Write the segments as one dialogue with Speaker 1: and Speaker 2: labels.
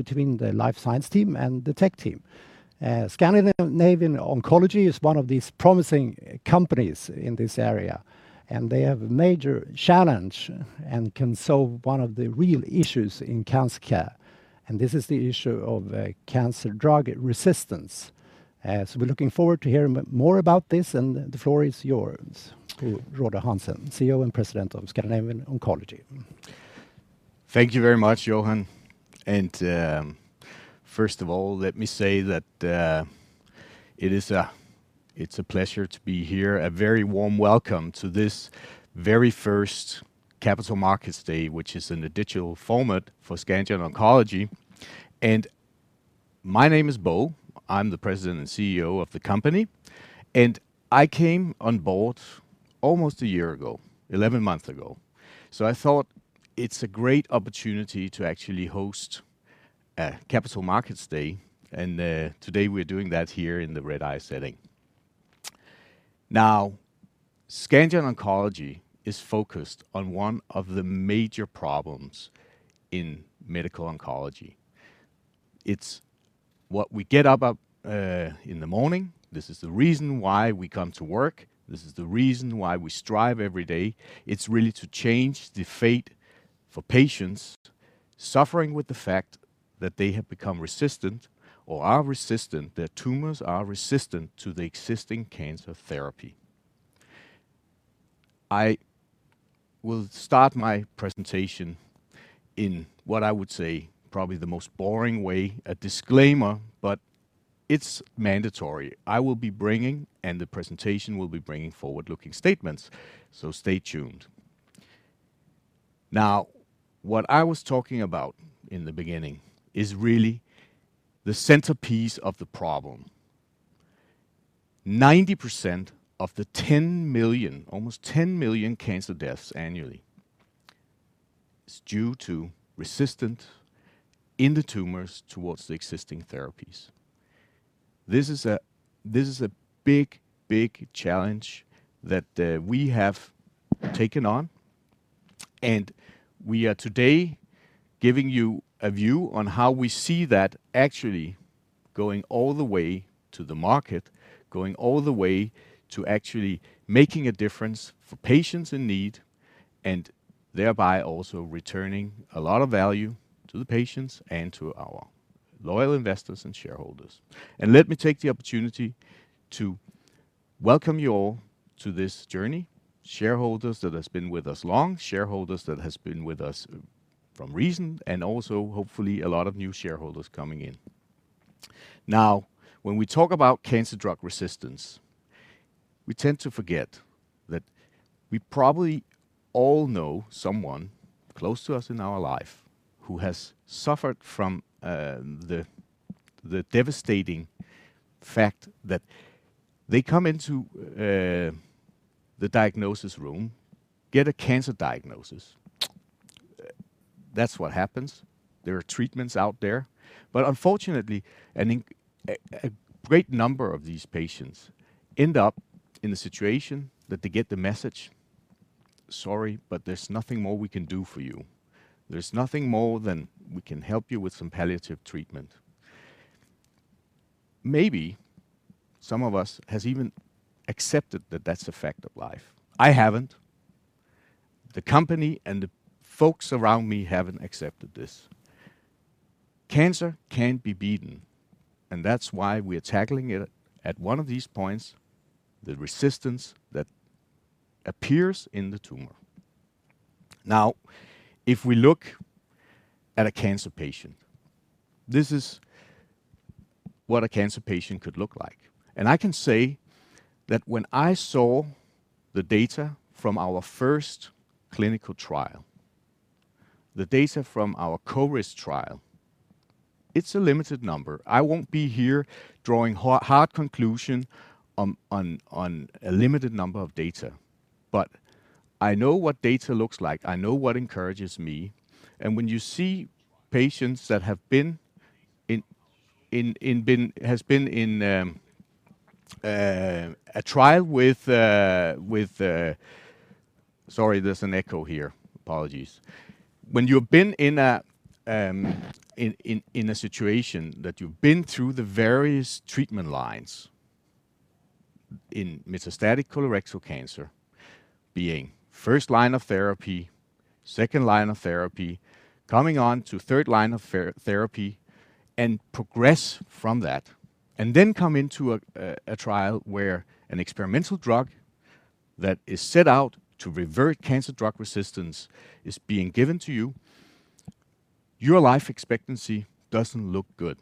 Speaker 1: Between the life science team and the tech team. Scandion Oncology is one of these promising companies in this area, and they have a major challenge and can solve one of the real issues in cancer care, and this is the issue of cancer drug resistance. We're looking forward to hearing more about this, and the floor is yours, Bo Rode Hansen, CEO and President of Scandion Oncology.
Speaker 2: Thank you very much, Johan. First of all, let me say that it's a pleasure to be here. A very warm welcome to this very first Capital Markets Day, which is in a digital format for Scandion Oncology. My name is Bo, I'm the President and CEO of the company, and I came on board almost a year ago, 11 months ago. I thought it's a great opportunity to actually host a Capital Markets Day, and today we're doing that here in the Redeye setting. Scandion Oncology is focused on one of the major problems in medical oncology. It's what we get up in the morning. This is the reason why we come to work. This is the reason why we strive every day. It's really to change the fate for patients suffering with the fact that they have become resistant or are resistant, their tumors are resistant to the existing cancer therapy. I will start my presentation in what I would say probably the most boring way, a disclaimer, but it's mandatory. I will be bringing, and the presentation will be bringing forward-looking statements. Stay tuned. Now, what I was talking about in the beginning is really the centerpiece of the problem. 90% of the 10 million, almost 10 million cancer deaths annually is due to resistance in the tumors towards the existing therapies. This is a big challenge that we have taken on. We are today giving you a view on how we see that actually going all the way to the market, going all the way to actually making a difference for patients in need, and thereby also returning a lot of value to the patients and to our loyal investors and shareholders. Let me take the opportunity to welcome you all to this journey. Shareholders that has been with us long, shareholders that has been with us from recent, and also hopefully a lot of new shareholders coming in. When we talk about cancer drug resistance, we tend to forget that we probably all know someone close to us in our life who has suffered from the devastating fact that they come into the diagnosis room, get a cancer diagnosis. That's what happens. There are treatments out there, unfortunately, a great number of these patients end up in a situation that they get the message, sorry, but there's nothing more we can do for you. There's nothing more than we can help you with some palliative treatment. Maybe some of us has even accepted that that's a fact of life. I haven't. The company and the folks around me haven't accepted this. Cancer can be beaten, that's why we are tackling it at one of these points, the resistance that appears in the tumor. If we look at a cancer patient, this is what a cancer patient could look like. I can say that when I saw the data from our first clinical trial, the data from our CORIST trial, it's a limited number. I won't be here drawing hard conclusion on a limited number of data. I know what data looks like. I know what encourages me. When you see patients that have been in a trial with Sorry, there's an echo here. Apologies. When you've been in a situation that you've been through the various treatment lines in metastatic colorectal cancer, being first line of therapy, second line of therapy, coming on to third line of therapy, progress from that, come into a trial where an experimental drug that is set out to revert cancer drug resistance is being given to you, your life expectancy doesn't look good.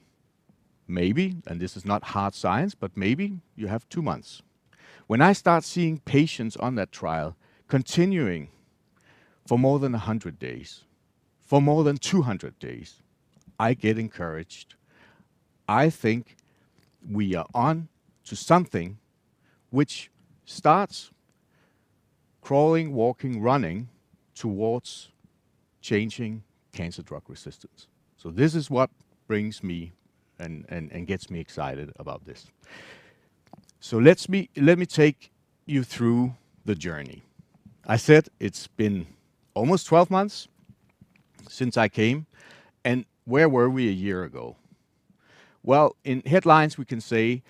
Speaker 2: Maybe, this is not hard science, maybe you have two months. When I start seeing patients on that trial continuing for more than 100 days, for more than 200 days, I get encouraged. I think we are on to something which starts crawling, walking, running towards changing cancer drug resistance. This is what brings me and gets me excited about this. So let me take you through the journey. I said it's been almost 12 months since I came, and where were we a year ago? Well, in headlines, we can say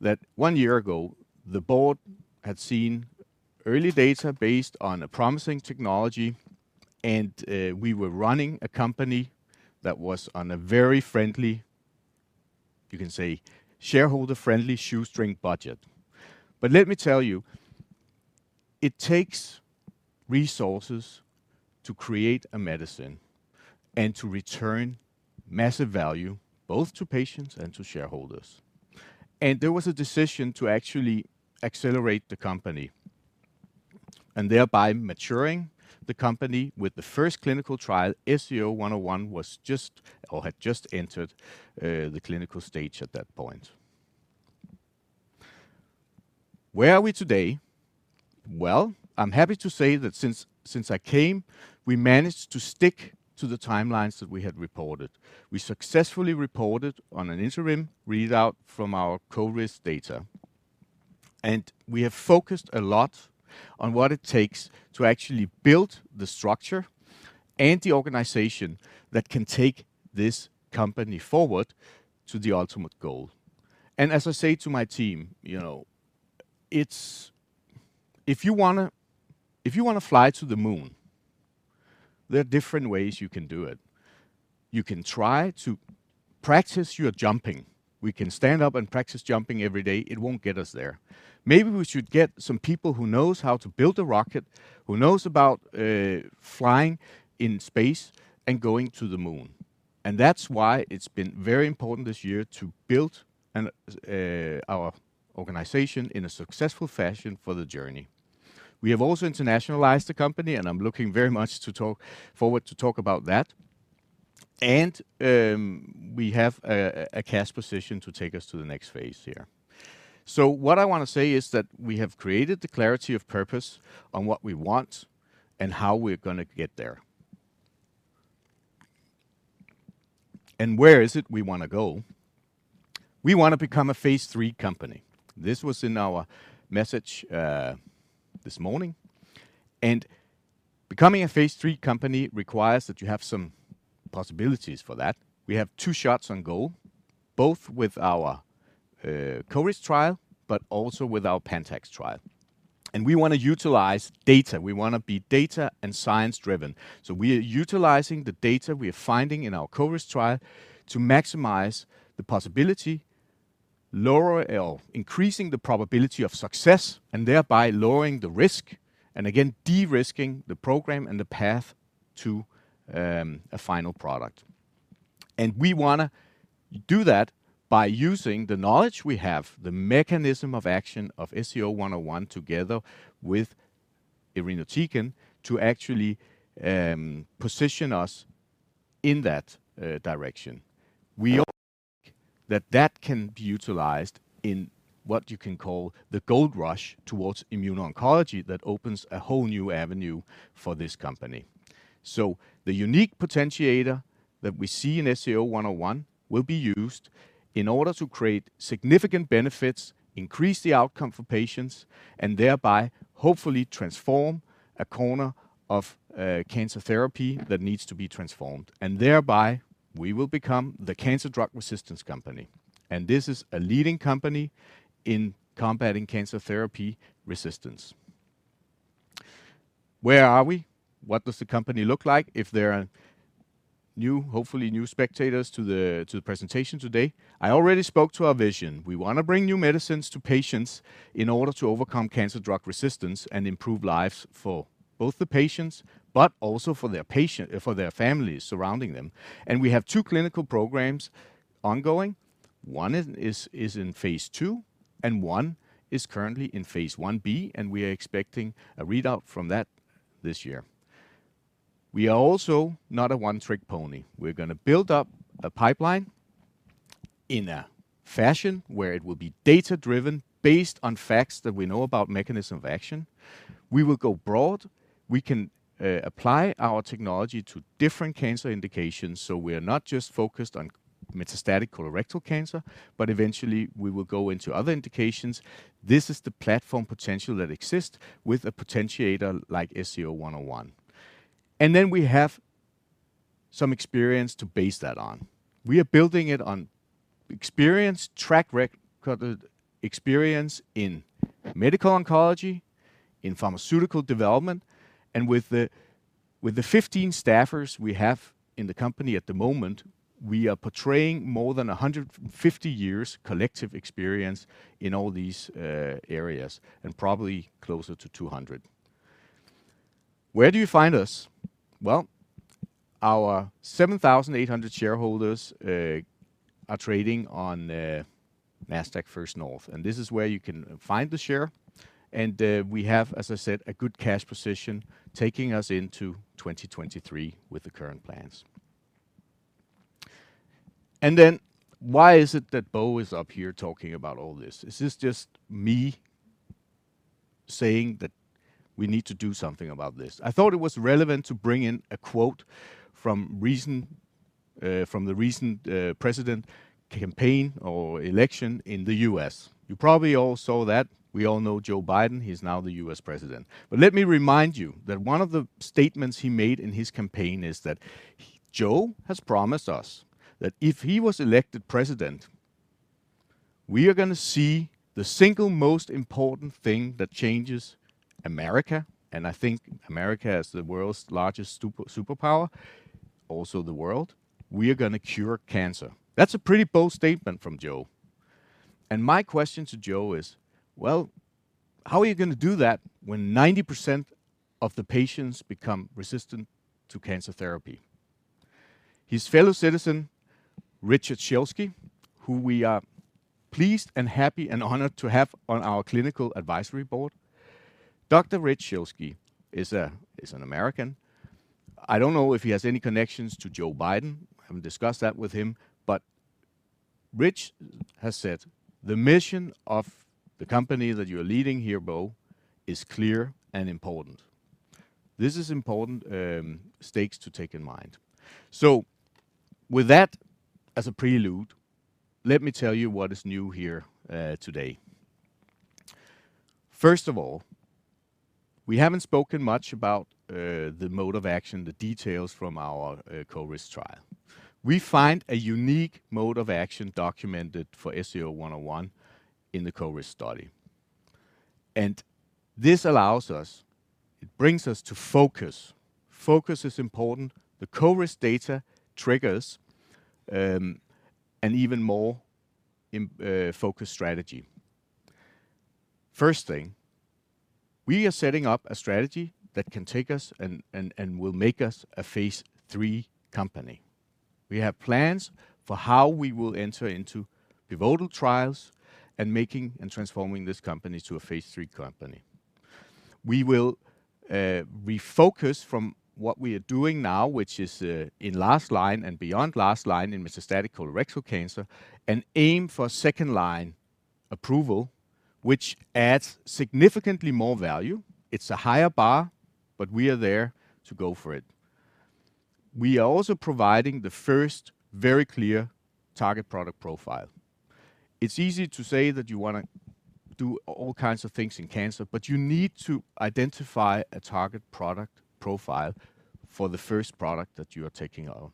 Speaker 2: that one year ago, the board had seen early data based on a promising technology, and we were running a company that was on a very shareholder-friendly shoestring budget. Let me tell you, it takes resources to create a medicine and to return massive value both to patients and to shareholders. There was a decision to actually accelerate the company, and thereby maturing the company with the first clinical trial, SCO-101 had just entered the clinical stage at that point. Where are we today? Well, I'm happy to say that since I came, we managed to stick to the timelines that we had reported. We successfully reported on an interim readout from our CORIST data. We have focused a lot on what it takes to actually build the structure and the organization that can take this company forward to the ultimate goal. As I say to my team, if you want to fly to the moon, there are different ways you can do it. You can try to practice your jumping. We can stand up and practice jumping every day. It won't get us there. Maybe we should get some people who knows how to build a rocket, who knows about flying in space and going to the moon. That's why it's been very important this year to build our organization in a successful fashion for the journey. We have also internationalized the company. I'm looking very much forward to talk about that. We have a cash position to take us to the next phase here. What I want to say is that we have created the clarity of purpose on what we want and how we're going to get there. Where is it we want to go? We want to become a phase III company. This was in our message this morning. Becoming a phase III company requires that you have some possibilities for that. We have two shots on goal, both with our CORIST trial, but also with our PANTAX trial. We want to utilize data. We want to be data and science-driven. We are utilizing the data we are finding in our CORIST trial to maximize the possibility, increasing the probability of success, and thereby lowering the risk, and again, de-risking the program and the path to a final product. We want to do that by using the knowledge we have, the mechanism of action of SCO-101 together with irinotecan to actually position us in that direction. We all think that that can be utilized in what you can call the gold rush towards immuno-oncology that opens a whole new avenue for this company. The unique potentiator that we see in SCO-101 will be used in order to create significant benefits, increase the outcome for patients, and thereby hopefully transform a corner of cancer therapy that needs to be transformed. Thereby, we will become the cancer drug resistance company. This is a leading company in combating cancer therapy resistance. Where are we? What does the company look like? If there are hopefully new spectators to the presentation today, I already spoke to our vision. We want to bring new medicines to patients in order to overcome cancer drug resistance and improve lives for both the patients, but also for their families surrounding them. We have two clinical programs ongoing. One is in phase II, and one is currently in phase I-B, and we are expecting a readout from that this year. We are also not a one-trick pony. We're going to build up a pipeline in a fashion where it will be data-driven based on facts that we know about mechanism of action. We will go broad. We can apply our technology to different cancer indications. We are not just focused on metastatic colorectal cancer, but eventually we will go into other indications. This is the platform potential that exists with a potentiator like SCO-101. We have some experience to base that on. We are building it on experience, track record experience in medical oncology, in pharmaceutical development, and with the 15 staffers we have in the company at the moment, we are portraying more than 150 years collective experience in all these areas, and probably closer to 200. Where do you find us? Well, our 7,800 shareholders are trading on Nasdaq First North, and this is where you can find the share. We have, as I said, a good cash position taking us into 2023 with the current plans. Why is it that Bo is up here talking about all this? Is this just me saying that we need to do something about this? I thought it was relevant to bring in a quote from the recent president campaign or election in the U.S. You probably all saw that. We all know Joe Biden. He's now the U.S. president. Let me remind you that one of the statements he made in his campaign is that Joe has promised us that if he was elected president, we are going to see the single most important thing that changes America, and I think America is the world's largest superpower, also the world. We are going to cure cancer. That's a pretty bold statement from Joe. My question to Joe is, well, how are you going to do that when 90% of the patients become resistant to cancer therapy? His fellow citizen, Richard Schilsky, who we are pleased and happy and honored to have on our clinical advisory board. Dr. Rich Schilsky is an American. I don't know if he has any connections to Joe Biden. I haven't discussed that with him, but Rich has said, the mission of the company that you're leading here, Bo, is clear and important. This is important stakes to take in mind. With that as a prelude, let me tell you what is new here today. First of all, we haven't spoken much about the mode of action, the details from our CORIST trial. We find a unique mode of action documented for SCO-101 in the CORIST study. This allows us, it brings us to focus. Focus is important. The CORIST data triggers an even more focused strategy. First thing, we are setting up a strategy that can take us and will make us a phase III company. We have plans for how we will enter into pivotal trials and making and transforming this company to a phase III company. We will refocus from what we are doing now, which is in last line and beyond last line in metastatic colorectal cancer, aim for second-line approval, which adds significantly more value. It's a higher bar, we are there to go for it. We are also providing the first very clear target product profile. It's easy to say that you want to do all kinds of things in cancer, you need to identify a target product profile for the first product that you are taking on.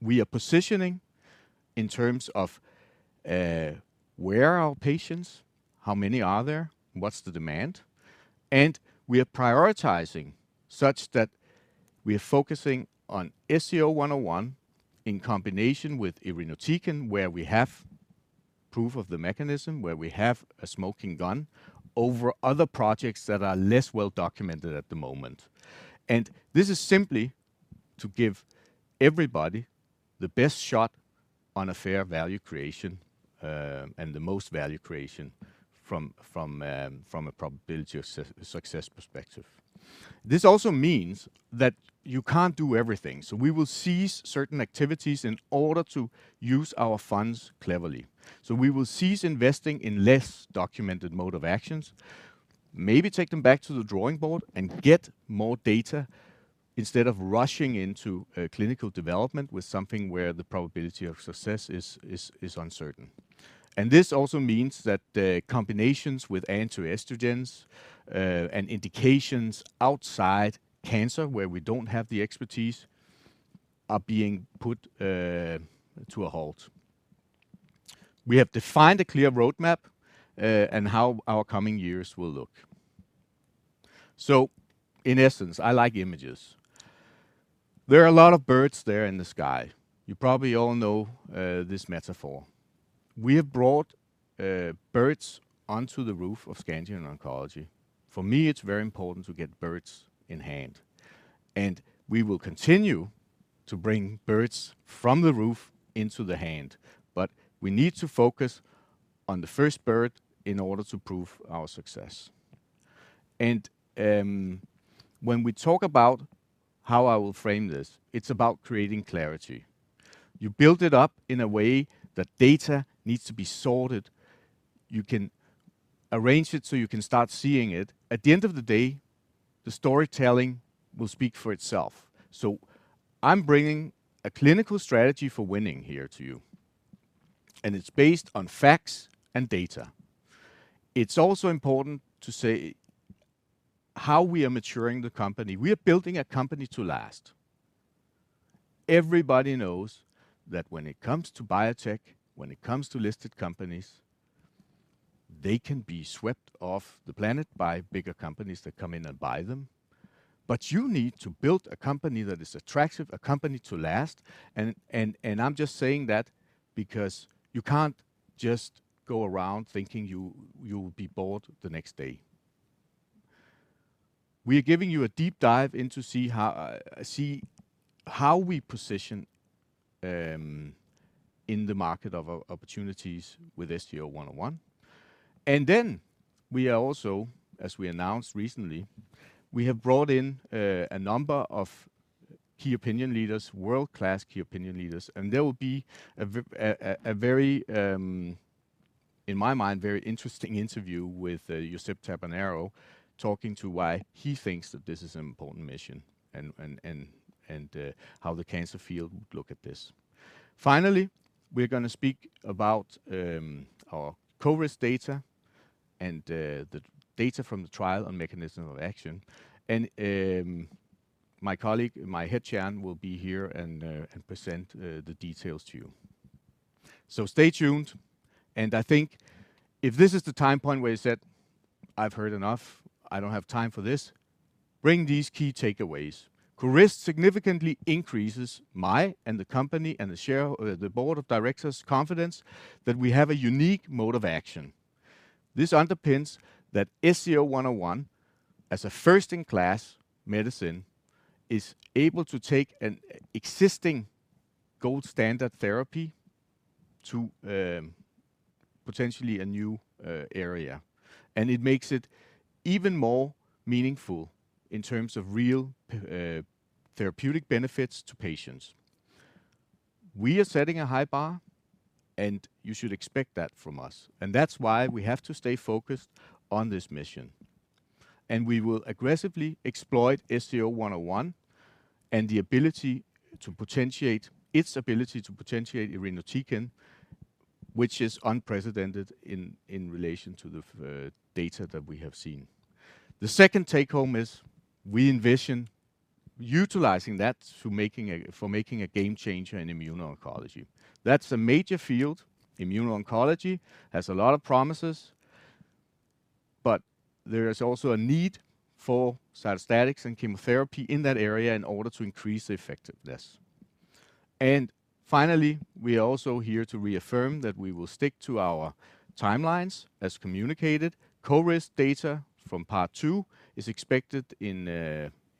Speaker 2: We are positioning in terms of where are our patients, how many are there, what's the demand. We are prioritizing such that we are focusing on SCO-101 in combination with irinotecan, where we have proof of the mechanism, where we have a smoking gun, over other projects that are less well-documented at the moment. This is simply to give everybody the best shot on a fair value creation, and the most value creation from a probability of success perspective. This also means that you can't do everything. We will cease certain activities in order to use our funds cleverly. We will cease investing in less documented mode of actions, maybe take them back to the drawing board and get more data instead of rushing into clinical development with something where the probability of success is uncertain. This also means that the combinations with anti-estrogens and indications outside cancer, where we don't have the expertise, are being put to a halt. We have defined a clear roadmap and how our coming years will look. In essence, I like images. There are a lot of birds there in the sky. You probably all know this metaphor. We have brought birds onto the roof of Scandion Oncology. For me, it's very important to get birds in hand. We will continue to bring birds from the roof into the hand, but we need to focus on the first bird in order to prove our success. When we talk about how I will frame this, it's about creating clarity. You build it up in a way that data needs to be sorted. You can arrange it so you can start seeing it. At the end of the day, the storytelling will speak for itself. I'm bringing a clinical strategy for winning here to you, and it's based on facts and data. It's also important to say how we are maturing the company. We are building a company to last. Everybody knows that when it comes to biotech, when it comes to listed companies, they can be swept off the planet by bigger companies that come in and buy them. You need to build a company that is attractive, a company to last, and I'm just saying that because you can't just go around thinking you will be bought the next day. We are giving you a deep dive in to see how we position in the market of opportunities with SCO-101. Then we are also, as we announced recently, we have brought in a number of Key Opinion Leaders, world-class Key Opinion Leaders, and there will be, in my mind, a very interesting interview with Josep Tabernero talking to why he thinks that this is an important mission and how the cancer field would look at this. Finally, we are going to speak about our CORIST data and the data from the trial on mechanism of action. My colleague, Maj Hedtjärn, will be here and present the details to you. Stay tuned, I think if this is the time point where you said, I've heard enough. I don't have time for this, bring these key takeaways. CORIST significantly increases my, and the company, and the board of directors' confidence that we have a unique mode of action. This underpins that SCO-101, as a first-in-class medicine, is able to take an existing gold standard therapy to potentially a new area, and it makes it even more meaningful in terms of real therapeutic benefits to patients. We are setting a high bar, and you should expect that from us, and that's why we have to stay focused on this mission. We will aggressively exploit SCO-101 and its ability to potentiate irinotecan, which is unprecedented in relation to the data that we have seen. The second take home is we envision utilizing that for making a game changer in immuno-oncology. That's a major field. Immuno-oncology has a lot of promises, but there is also a need for cytostatics and chemotherapy in that area in order to increase the effectiveness. Finally, we are also here to reaffirm that we will stick to our timelines as communicated. CORIST data from part two is expected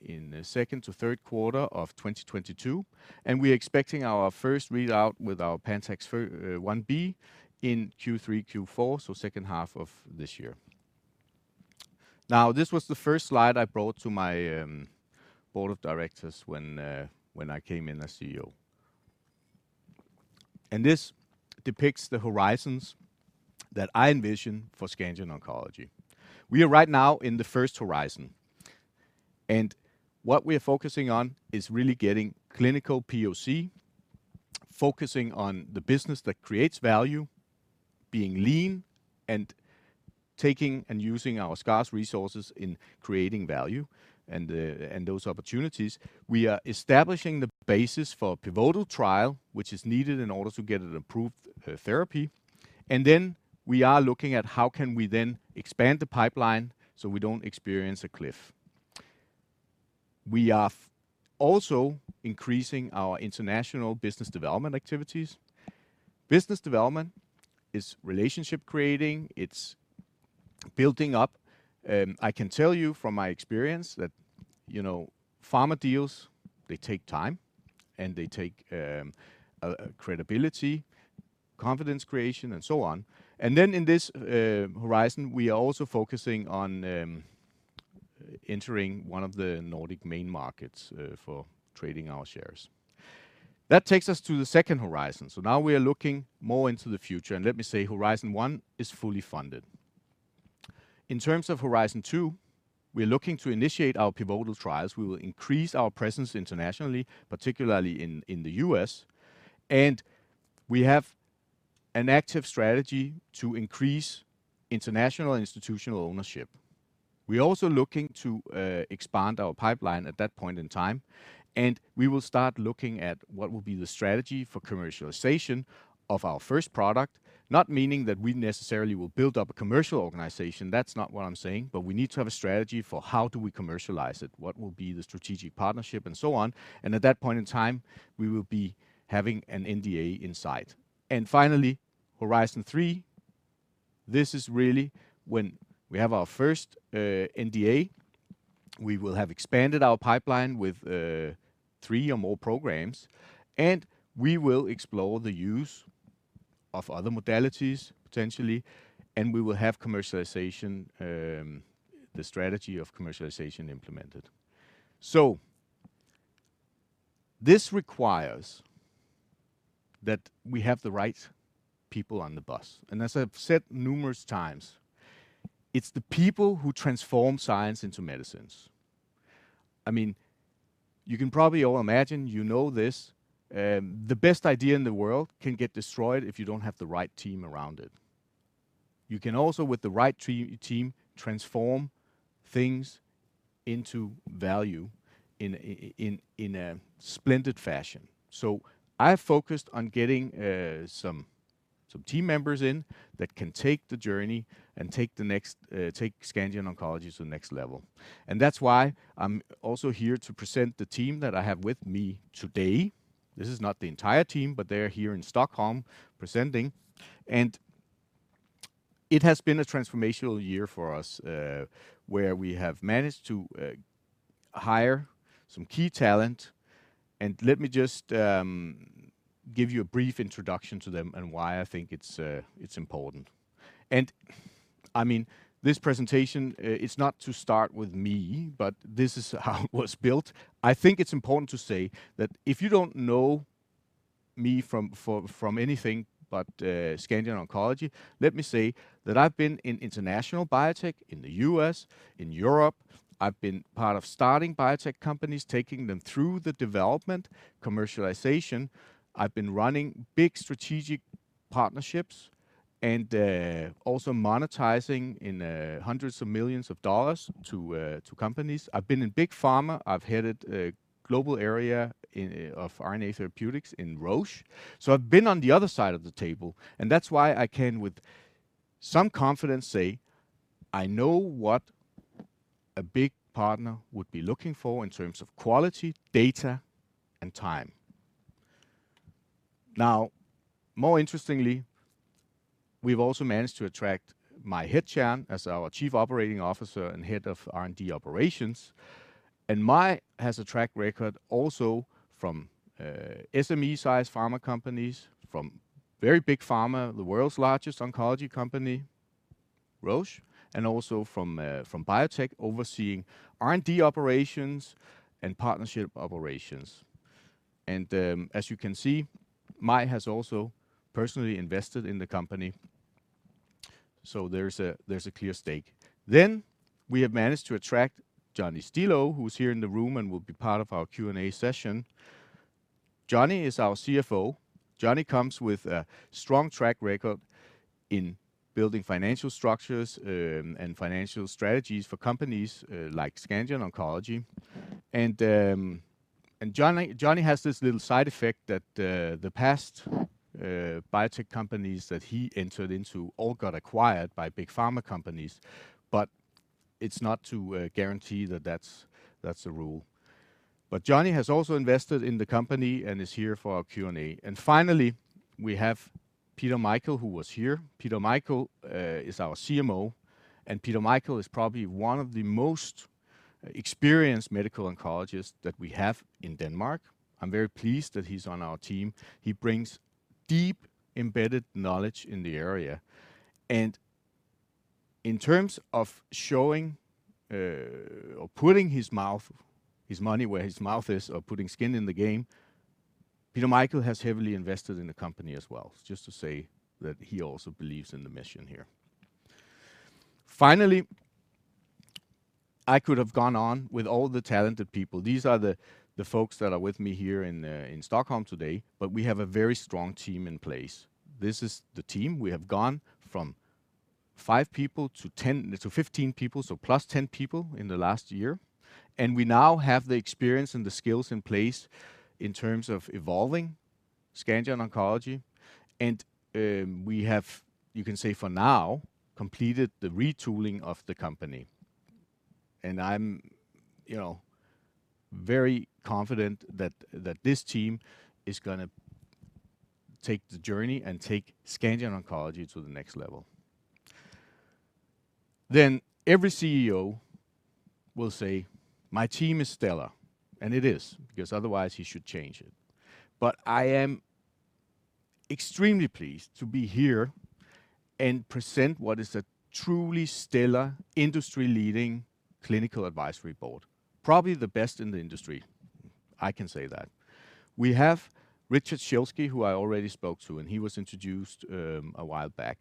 Speaker 2: in the second to third quarter of 2022. We are expecting our first readout with our PANTAX phase I-B in Q3, Q4, second half of this year. This was the first slide I brought to my Board of Directors when I came in as CEO. This depicts the horizons that I envision for Scandion Oncology. We are right now in the first horizon. What we are focusing on is really getting clinical POC, focusing on the business that creates value, being lean, and taking and using our scarce resources in creating value and those opportunities. We are establishing the basis for a pivotal trial, which is needed in order to get an approved therapy. We are looking at how can we then expand the pipeline, so we don't experience a cliff. We are also increasing our international business development activities. Business development is relationship creating. It's building up. I can tell you from my experience that pharma deals, they take time, and they take credibility, confidence creation, and so on. In this horizon, we are also focusing on entering one of the Nordic main markets for trading our shares. That takes us to the second horizon. Now we are looking more into the future, and let me say Horizon 1 is fully funded. In terms of Horizon 2, we are looking to initiate our pivotal trials. We will increase our presence internationally, particularly in the U.S., and we have an active strategy to increase international institutional ownership. We're also looking to expand our pipeline at that point in time, and we will start looking at what will be the strategy for commercialization of our first product. Not meaning that we necessarily will build up a commercial organization. That's not what I'm saying. We need to have a strategy for how do we commercialize it, what will be the strategic partnership, and so on. At that point in time, we will be having an NDA in sight. Finally, Horizon 3. This is really when we have our first NDA. We will have expanded our pipeline with three or more programs, and we will explore the use of other modalities, potentially, and we will have the strategy of commercialization implemented. This requires that we have the right people on the bus, and as I've said numerous times, it's the people who transform science into medicines. You can probably all imagine, you know this, the best idea in the world can get destroyed if you don't have the right team around it. You can also, with the right team, transform things into value in a splendid fashion. I focused on getting some team members in that can take the journey and take Scandion Oncology to the next level. That's why I'm also here to present the team that I have with me today. This is not the entire team, but they are here in Stockholm presenting. It has been a transformational year for us, where we have managed to hire some key talent, and let me give you a brief introduction to them and why I think it's important. This presentation is not to start with me, but this is how it was built. I think it's important to say that if you don't know me from anything but Scandion Oncology, let me say that I've been in international biotech in the U.S., in Europe. I've been part of starting biotech companies, taking them through the development, commercialization. I've been running big strategic partnerships and also monetizing in hundreds of millions of dollars to companies. I've been in big pharma. I've headed a global area of RNA therapeutics in Roche. I've been on the other side of the table, and that's why I can with some confidence say I know what a big partner would be looking for in terms of quality, data, and time. More interestingly, we've also managed to attract Maj Hedtjärn as our Chief Operating Officer and Head of R&D Operations. Maj has a track record also from SME-sized pharma companies, from very big pharma, the world's largest oncology company, Roche, and also from biotech, overseeing R&D operations and partnership operations. As you can see, Maj has also personally invested in the company, so there's a clear stake. We have managed to attract Johnny Stilou, who is here in the room and will be part of our Q&A session. Johnny is our CFO. Johnny comes with a strong track record in building financial structures and financial strategies for companies like Scandion Oncology. Johnny has this little side effect that the past biotech companies that he entered into all got acquired by big pharma companies, but it is not to guarantee that that is a rule. Johnny has also invested in the company and is here for our Q&A. Finally, we have Peter Michael, who was here. Peter Michael is our CMO, and Peter Michael is probably one of the most experienced medical oncologists that we have in Denmark. I am very pleased that he is on our team. He brings deep, embedded knowledge in the area. In terms of showing or putting his money where his mouth is or putting skin in the game, Peter Michael has heavily invested in the company as well, just to say that he also believes in the mission here. Finally, I could have gone on with all the talented people. These are the folks that are with me here in Stockholm today, but we have a very strong team in place. This is the team. We have gone from five people to 15 people, so plus 10 people in the last year. We now have the experience and the skills in place in terms of evolving Scandion Oncology. We have, you can say for now, completed the retooling of the company. I am very confident that this team is going to take the journey and take Scandion Oncology to the next level. Every CEO will say, my team is stellar. It is, because otherwise he should change it. I am extremely pleased to be here and present what is a truly stellar industry-leading clinical advisory board, probably the best in the industry. I can say that. We have Richard Schilsky, who I already spoke to, and he was introduced a while back.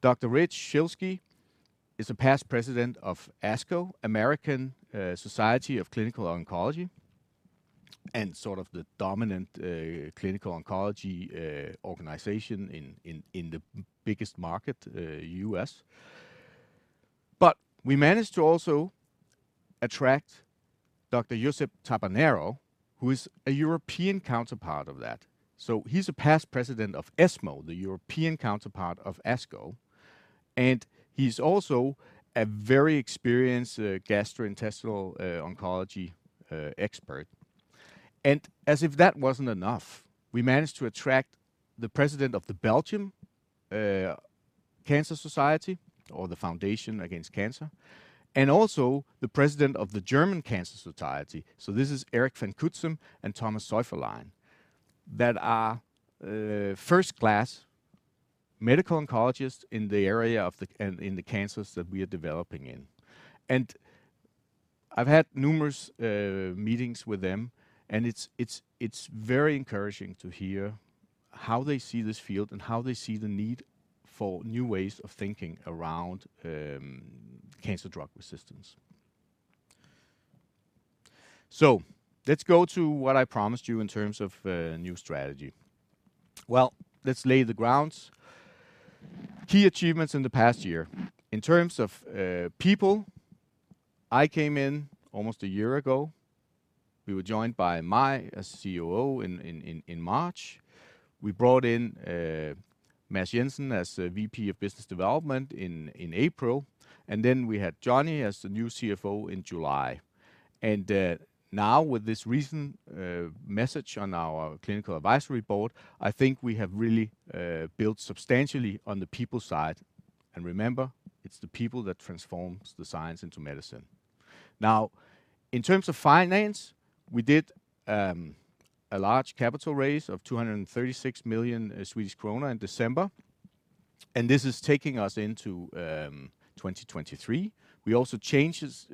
Speaker 2: Dr. Rich Schilsky is a past president of ASCO, American Society of Clinical Oncology, and sort of the dominant clinical oncology organization in the biggest market, U.S. We managed to also attract Dr. Josep Tabernero, who is a European counterpart of that. He's a past president of ESMO, the European counterpart of ASCO, and he's also a very experienced gastrointestinal oncology expert. As if that wasn't enough, we managed to attract the president of the Foundation Against Cancer, and also the president of the German Cancer Society. This is Eric Van Cutsem and Thomas Seufferlein, that are first-class medical oncologists in the area in the cancers that we are developing in. I've had numerous meetings with them, and it's very encouraging to hear how they see this field and how they see the need for new ways of thinking around cancer drug resistance. Let's go to what I promised you in terms of a new strategy. Well, let's lay the grounds. Key achievements in the past year. In terms of people, I came in almost a year ago. We were joined by Maj as COO in March. We brought in Mads Jensen as VP of Business Development in April. We had Johnny as the new CFO in July. With this recent message on our Clinical Advisory Board, I think we have really built substantially on the people side. Remember, it's the people that transforms the science into medicine. In terms of finance, we did a large capital raise of 236 million Swedish kronor in December, and this is taking us into 2023. We also changed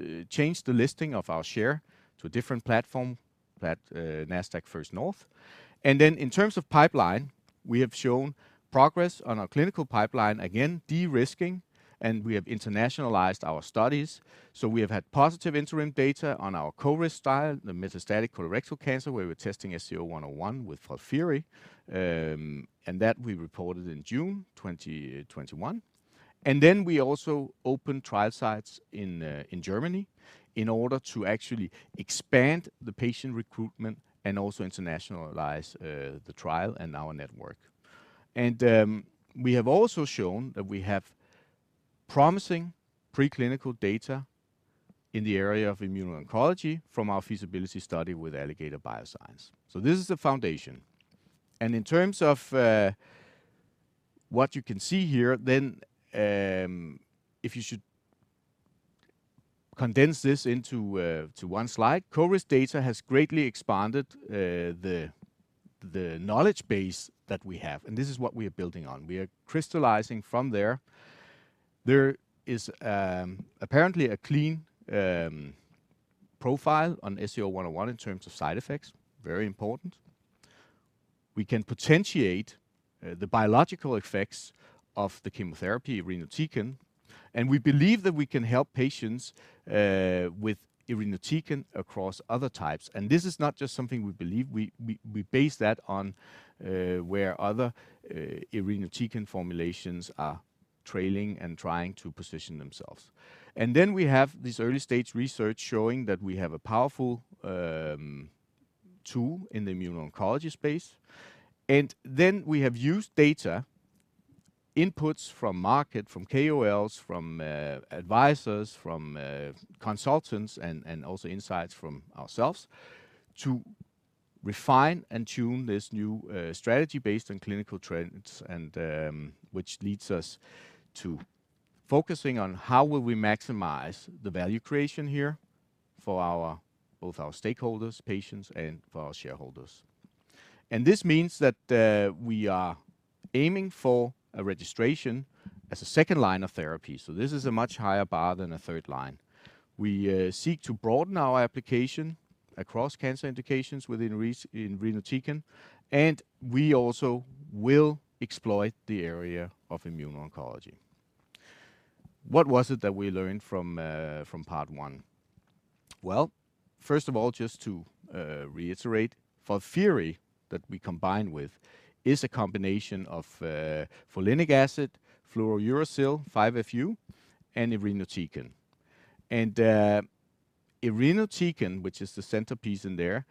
Speaker 2: the listing of our share to a different platform at Nasdaq First North. In terms of pipeline, we have shown progress on our clinical pipeline, again, de-risking, and we have internationalized our studies. We have had positive interim data on our CORIST trial, the metastatic colorectal cancer, where we're testing SCO-101 with FOLFIRI, and that we reported in June 2021. We also opened trial sites in Germany in order to actually expand the patient recruitment and also internationalize the trial and our network. We have also shown that we have promising preclinical data in the area of immuno-oncology from our feasibility study with Alligator Bioscience. This is the foundation. In terms of what you can see here, if you should condense this into one slide, CORIST data has greatly expanded the knowledge base that we have, and this is what we are building on. We are crystallizing from there. There is apparently a clean profile on SCO-101 in terms of side effects, very important. We can potentiate the biological effects of the chemotherapy irinotecan, and we believe that we can help patients with irinotecan across other types. This is not just something we believe. We base that on where other irinotecan formulations are trailing and trying to position themselves. We have this early-stage research showing that we have a powerful tool in the immuno-oncology space. We have used data, inputs from market, from KOLs, from advisors, from consultants, and also insights from ourselves to refine and tune this new strategy based on clinical trends, which leads us to focusing on how will we maximize the value creation here for both our stakeholders, patients, and for our shareholders. This means that we are aiming for a registration as a second line of therapy. This is a much higher bar than a third line. We seek to broaden our application across cancer indications within irinotecan, and we also will exploit the area of immuno-oncology. What was it that we learned from part one? Well, first of all, just to reiterate, FOLFIRI, that we combine with, is a combination of folinic acid, fluorouracil (5-FU), and irinotecan. Irinotecan, which is the centerpiece in there,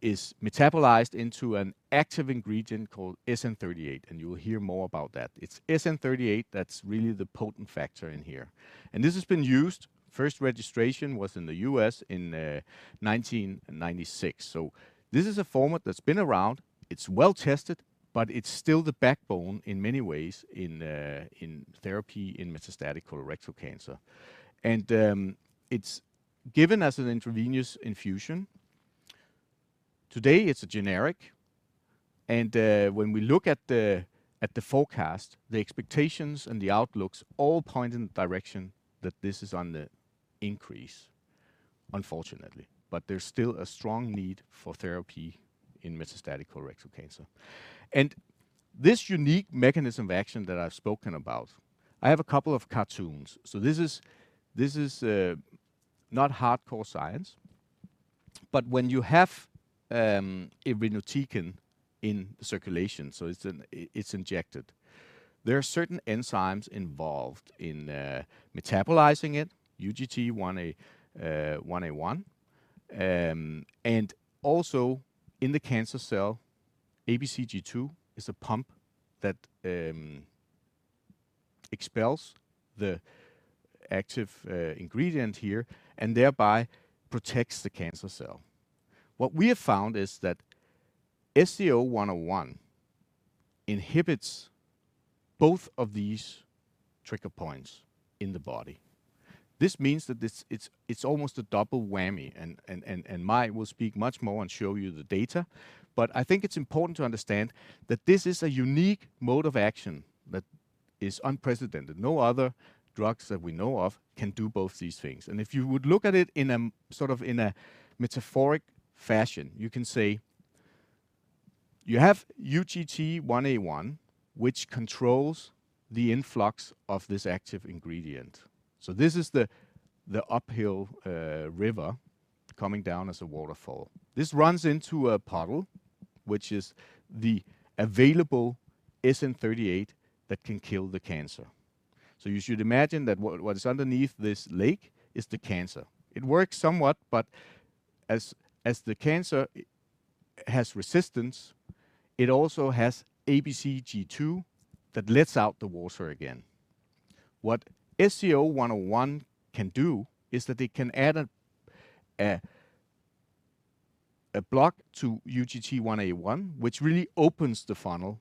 Speaker 2: is metabolized into an active ingredient called SN-38, and you will hear more about that. It's SN-38 that's really the potent factor in here. This has been used, first registration was in the U.S. in 1996. This is a format that's been around, it's well-tested, but it's still the backbone in many ways in therapy in metastatic colorectal cancer. It's given as an intravenous infusion. Today, it's a generic, and when we look at the forecast, the expectations and the outlooks all point in the direction that this is on the increase, unfortunately. There's still a strong need for therapy in metastatic colorectal cancer. This unique mechanism of action that I've spoken about, I have a couple of cartoons. This is not hardcore science, but when you have irinotecan in circulation, so it's injected, there are certain enzymes involved in metabolizing it, UGT1A1. Also in the cancer cell, ABCG2 is a pump that expels the active ingredient here and thereby protects the cancer cell. What we have found is that SCO-101 inhibits both of these trigger points in the body. This means that it's almost a double whammy, and Maj will speak much more and show you the data. I think it's important to understand that this is a unique mode of action that is unprecedented. No other drugs that we know of can do both these things. If you would look at it in a metaphoric fashion, you can say you have UGT1A1, which controls the influx of this active ingredient. This is the uphill river coming down as a waterfall. This runs into a puddle, which is the available SN-38 that can kill the cancer. You should imagine that what is underneath this lake is the cancer. It works somewhat, but as the cancer has resistance, it also has ABCG2 that lets out the water again. What SCO-101 can do is that it can add a block to UGT1A1 which really opens the funnel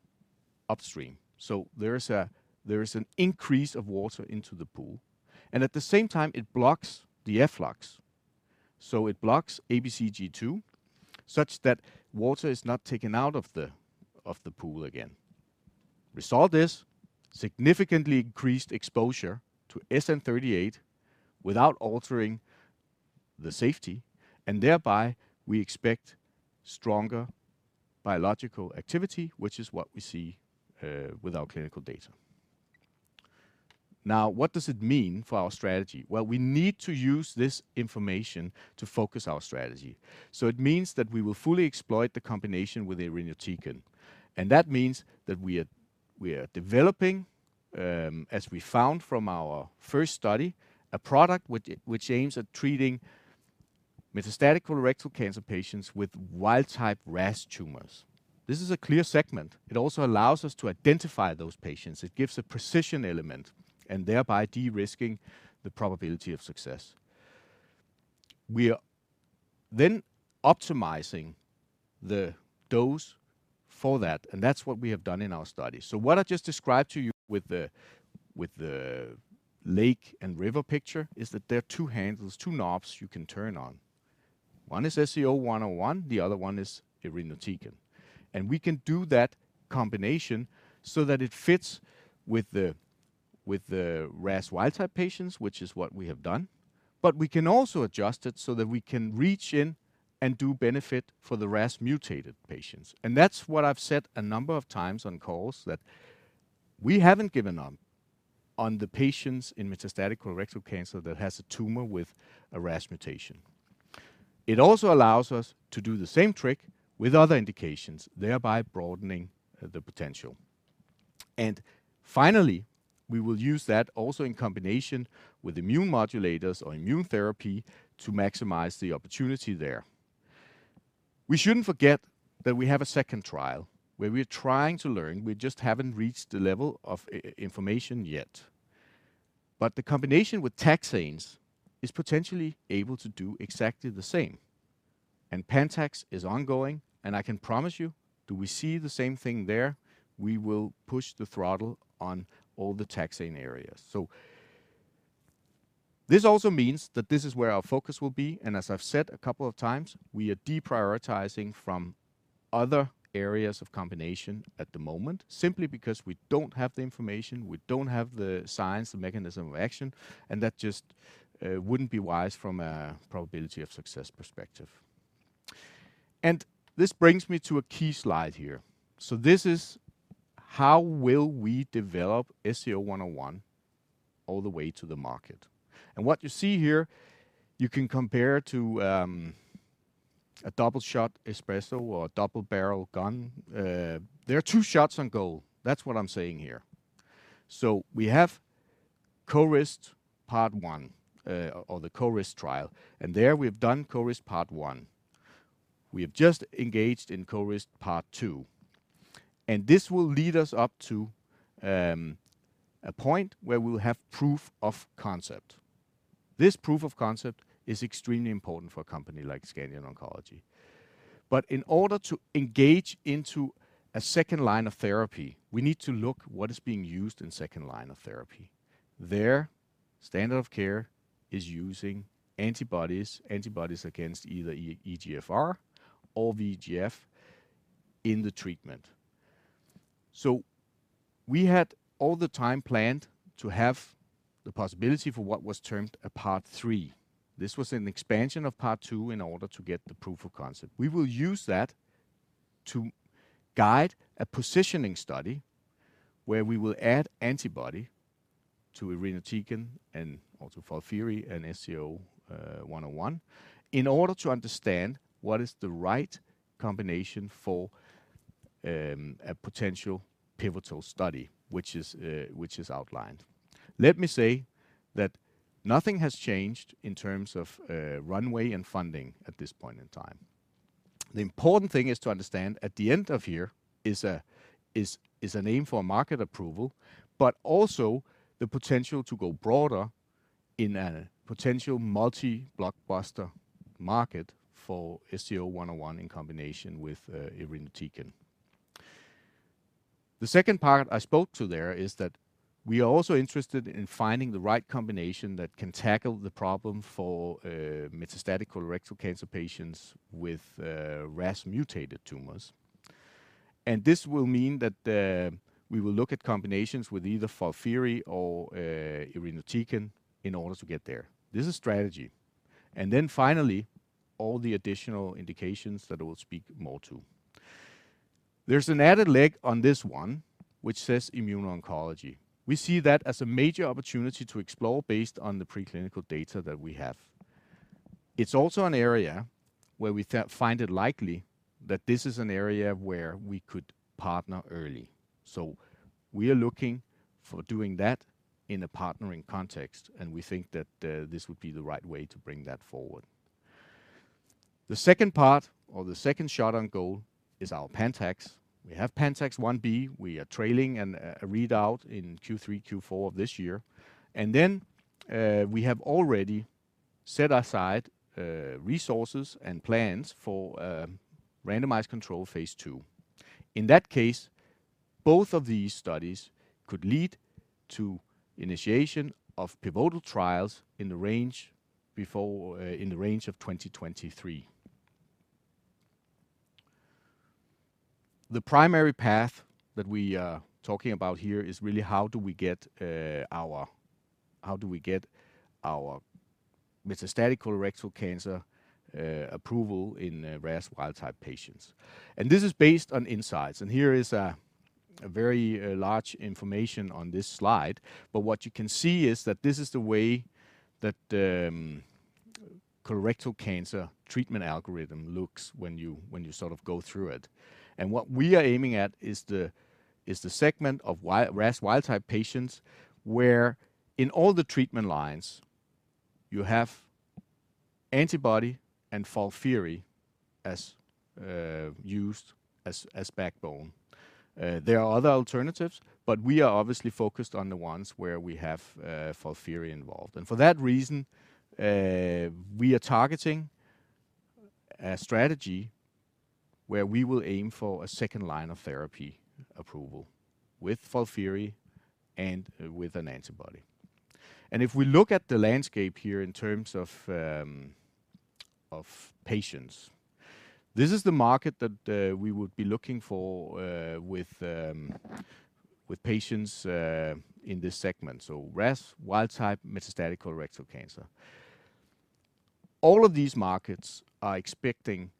Speaker 2: upstream. There is an increase of water into the pool, and at the same time, it blocks the efflux. It blocks ABCG2 such that water is not taken out of the pool again. We saw this significantly increased exposure to SN-38 without altering the safety. Thereby, we expect stronger biological activity, which is what we see with our clinical data. What does it mean for our strategy? Well, we need to use this information to focus our strategy. It means that we will fully exploit the combination with irinotecan. That means that we are developing, as we found from our first study, a product which aims at treating metastatic colorectal cancer patients with wild-type RAS tumors. This is a clear segment. It also allows us to identify those patients. It gives a precision element and thereby de-risking the probability of success. We are optimizing the dose for that. That's what we have done in our study. What I just described to you with the lake and river picture is that there are two handles, two knobs you can turn on. One is SCO-101, the other one is irinotecan. We can do that combination so that it fits with the RAS wild-type patients, which is what we have done, but we can also adjust it so that we can reach in and do benefit for the RAS-mutated patients. That's what I've said a number of times on calls, that we haven't given up on the patients in metastatic colorectal cancer that has a tumor with a RAS mutation. It also allows us to do the same trick with other indications, thereby broadening the potential. Finally, we will use that also in combination with immune modulators or immune therapy to maximize the opportunity there. We shouldn't forget that we have a second trial where we are trying to learn. We just haven't reached the level of information yet. The combination with taxanes is potentially able to do exactly the same. PANTAX is ongoing, and I can promise you, do we see the same thing there, we will push the throttle on all the taxane areas. This also means that this is where our focus will be, and as I've said a couple of times, we are deprioritizing from other areas of combination at the moment simply because we don't have the information, we don't have the science, the mechanism of action, and that just wouldn't be wise from a probability of success perspective. This brings me to a key slide here. This is how will we develop SCO-101 all the way to the market. What you see here, you can compare to a double-shot espresso or a double-barrel gun. There are two shots on goal. That's what I'm saying here. We have CORIST part one, or the CORIST trial, there we've done CORIST part one. We have just engaged in CORIST part two, this will lead us up to a point where we will have proof of concept. This proof of concept is extremely important for a company like Scandion Oncology. In order to engage into a second line of therapy, we need to look what is being used in second line of therapy. There, standard of care is using antibodies against either EGFR or VEGF in the treatment. We had all the time planned to have the possibility for what was termed a part three. This was an expansion of part two in order to get the proof of concept. We will use that to guide a positioning study where we will add antibody to irinotecan and also FOLFIRI and SCO-101 in order to understand what is the right combination for a potential pivotal study which is outlined. Let me say that nothing has changed in terms of runway and funding at this point in time. The important thing is to understand at the end of here is an aim for market approval, but also the potential to go broader in a potential multi-blockbuster market for SCO-101 in combination with irinotecan. The second part I spoke to there is that we are also interested in finding the right combination that can tackle the problem for metastatic colorectal cancer patients with RAS-mutated tumors. This will mean that we will look at combinations with either FOLFIRI or irinotecan in order to get there. This is strategy. Finally, all the additional indications that I will speak more to. There's an added leg on this one, which says immuno-oncology. We see that as a major opportunity to explore based on the preclinical data that we have. It's also an area where we find it likely that this is an area where we could partner early. We are looking for doing that in a partnering context, and we think that this would be the right way to bring that forward. The second part or the second shot on goal is our PANTAX. We have PANTAX I-B. We are trailing and a readout in Q3, Q4 of this year. We have already set aside resources and plans for randomized control phase II. In that case, both of these studies could lead to initiation of pivotal trials in the range of 2023. The primary path that we are talking about here is really how do we get our metastatic colorectal cancer approval in RAS wild-type patients. This is based on insights, and here is a very large information on this slide. What you can see is that this is the way that the colorectal cancer treatment algorithm looks when you go through it. What we are aiming at is the segment of RAS wild-type patients, where in all the treatment lines you have antibody and FOLFIRI used as backbone. There are other alternatives, but we are obviously focused on the ones where we have FOLFIRI involved. For that reason, we are targeting a strategy where we will aim for a second line of therapy approval with FOLFIRI and with an antibody. If we look at the landscape here in terms of patients, this is the market that we would be looking for with patients in this segment. RAS wild-type metastatic colorectal cancer. All of these markets are expecting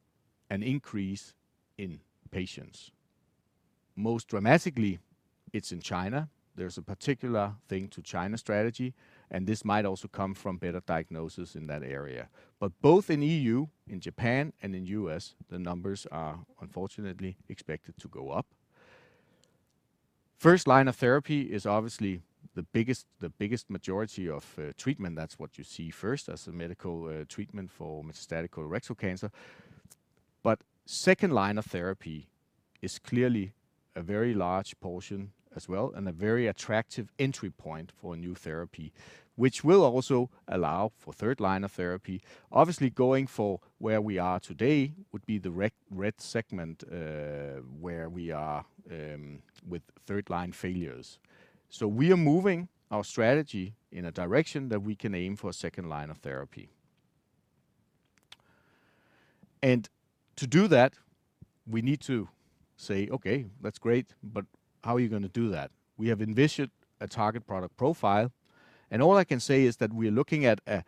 Speaker 2: an increase in patients. Most dramatically, it's in China. There's a particular thing to China strategy, and this might also come from better diagnosis in that area. Both in EU, in Japan, and in U.S., the numbers are unfortunately expected to go up. First line of therapy is obviously the biggest majority of treatment. That's what you see first as a medical treatment for metastatic colorectal cancer. Second line of therapy is clearly a very large portion as well, and a very attractive entry point for a new therapy, which will also allow for third line of therapy. Obviously, going for where we are today would be the red segment, where we are with third line failures. We are moving our strategy in a direction that we can aim for a second line of therapy. To do that, we need to say, okay, that's great, but how are you going to do that? We have envisioned a target product profile, and all I can say is that we are looking at a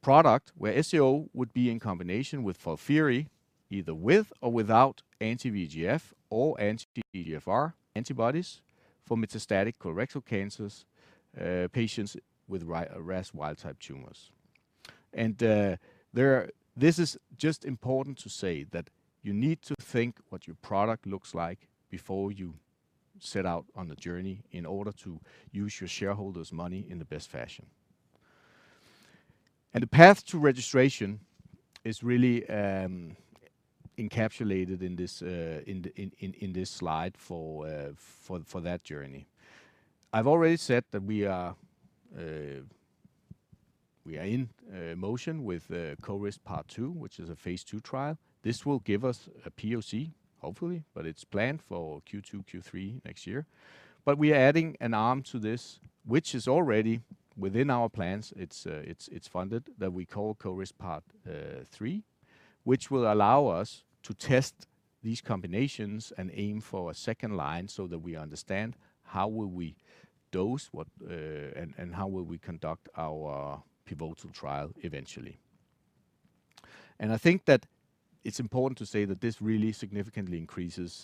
Speaker 2: product where SCO would be in combination with FOLFIRI, either with or without anti-VEGF or anti-VEGFR antibodies for metastatic colorectal cancers patients with RAS wild-type tumors. This is just important to say that you need to think what your product looks like before you set out on the journey in order to use your shareholders' money in the best fashion. The path to registration is really encapsulated in this slide for that journey. I've already said that we are in motion with CORIST Part 2, which is a phase II trial. This will give us a POC, hopefully, but it's planned for Q2, Q3 next year. We are adding an arm to this, which is already within our plans. It's funded that we call CORIST Part 3, which will allow us to test these combinations and aim for a second line so that we understand how will we dose, and how will we conduct our pivotal trial eventually. I think that it's important to say that this really significantly increases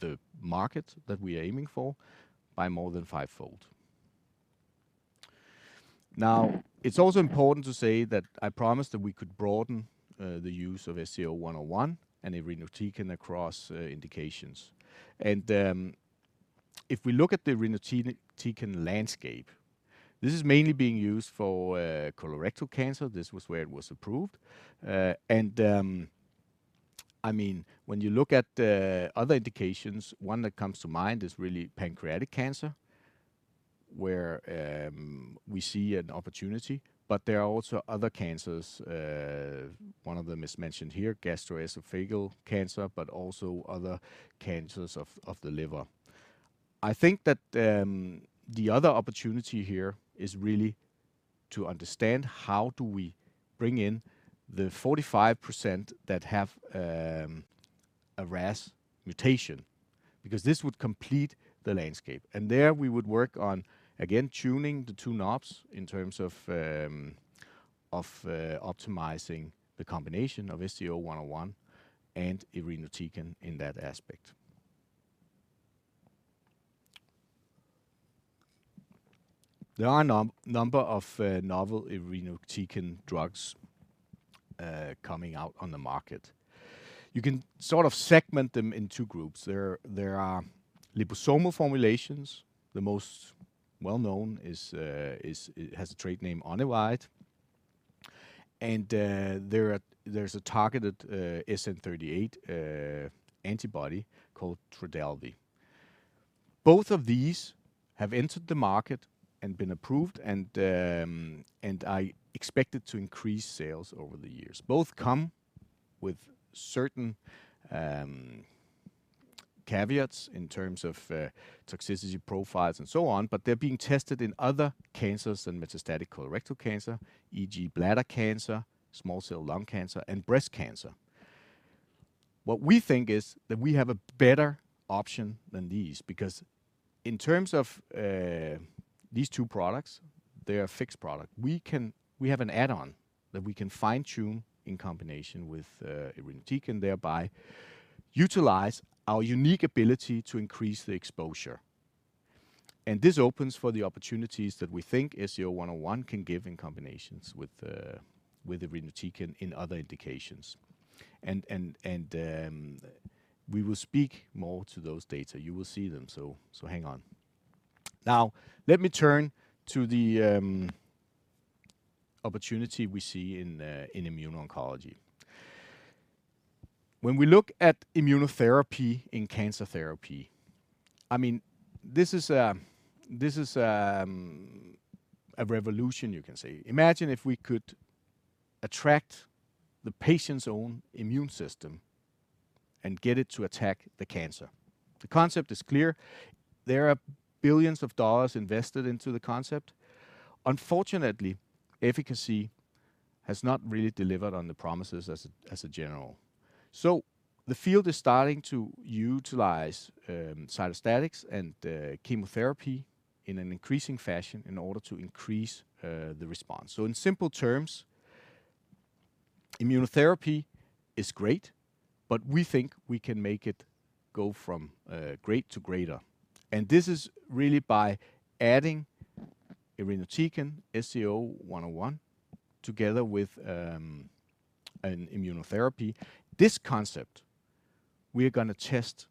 Speaker 2: the market that we are aiming for by more than fivefold. It's also important to say that I promise that we could broaden the use of SCO-101 and irinotecan across indications. If we look at the irinotecan landscape, this is mainly being used for colorectal cancer. This was where it was approved. When you look at other indications, one that comes to mind is really pancreatic cancer, where we see an opportunity. There are also other cancers. One of them is mentioned here, gastroesophageal cancer, but also other cancers of the liver. I think that the other opportunity here is really to understand how do we bring in the 45% that have a RAS mutation, because this would complete the landscape. There we would work on, again, tuning the two knobs in terms of optimizing the combination of SCO-101 and irinotecan in that aspect. There are a number of novel irinotecan drugs coming out on the market. You can sort of segment them in two groups. There are liposomal formulations. The most well-known has a trade name ONIVYDE. There's a targeted SN-38 antibody called TRODELVY. Both of these have entered the market and been approved, and are expected to increase sales over the years. Both come with certain caveats in terms of toxicity profiles and so on, but they're being tested in other cancers than metastatic colorectal cancer, e.g., bladder cancer, small cell lung cancer, and breast cancer. What we think is that we have a better option than these, because in terms of these two products, they are fixed product. We have an add-on that we can fine-tune in combination with irinotecan, thereby utilize our unique ability to increase the exposure. This opens for the opportunities that we think SCO-101 can give in combinations with irinotecan in other indications. We will speak more to those data. You will see them, so hang on. Now, let me turn to the opportunity we see in immuno-oncology. When we look at immunotherapy in cancer therapy, this is a revolution, you can say. Imagine if we could attract the patient's own immune system and get it to attack the cancer. The concept is clear. There are billions of dollars invested into the concept. Unfortunately, efficacy has not really delivered on the promises as a general. The field is starting to utilize cytostatics and chemotherapy in an increasing fashion in order to increase the response. In simple terms, immunotherapy is great, but we think we can make it go from great to greater. This is really by adding irinotecan, SCO-101, together with an immunotherapy. This concept we're going to test,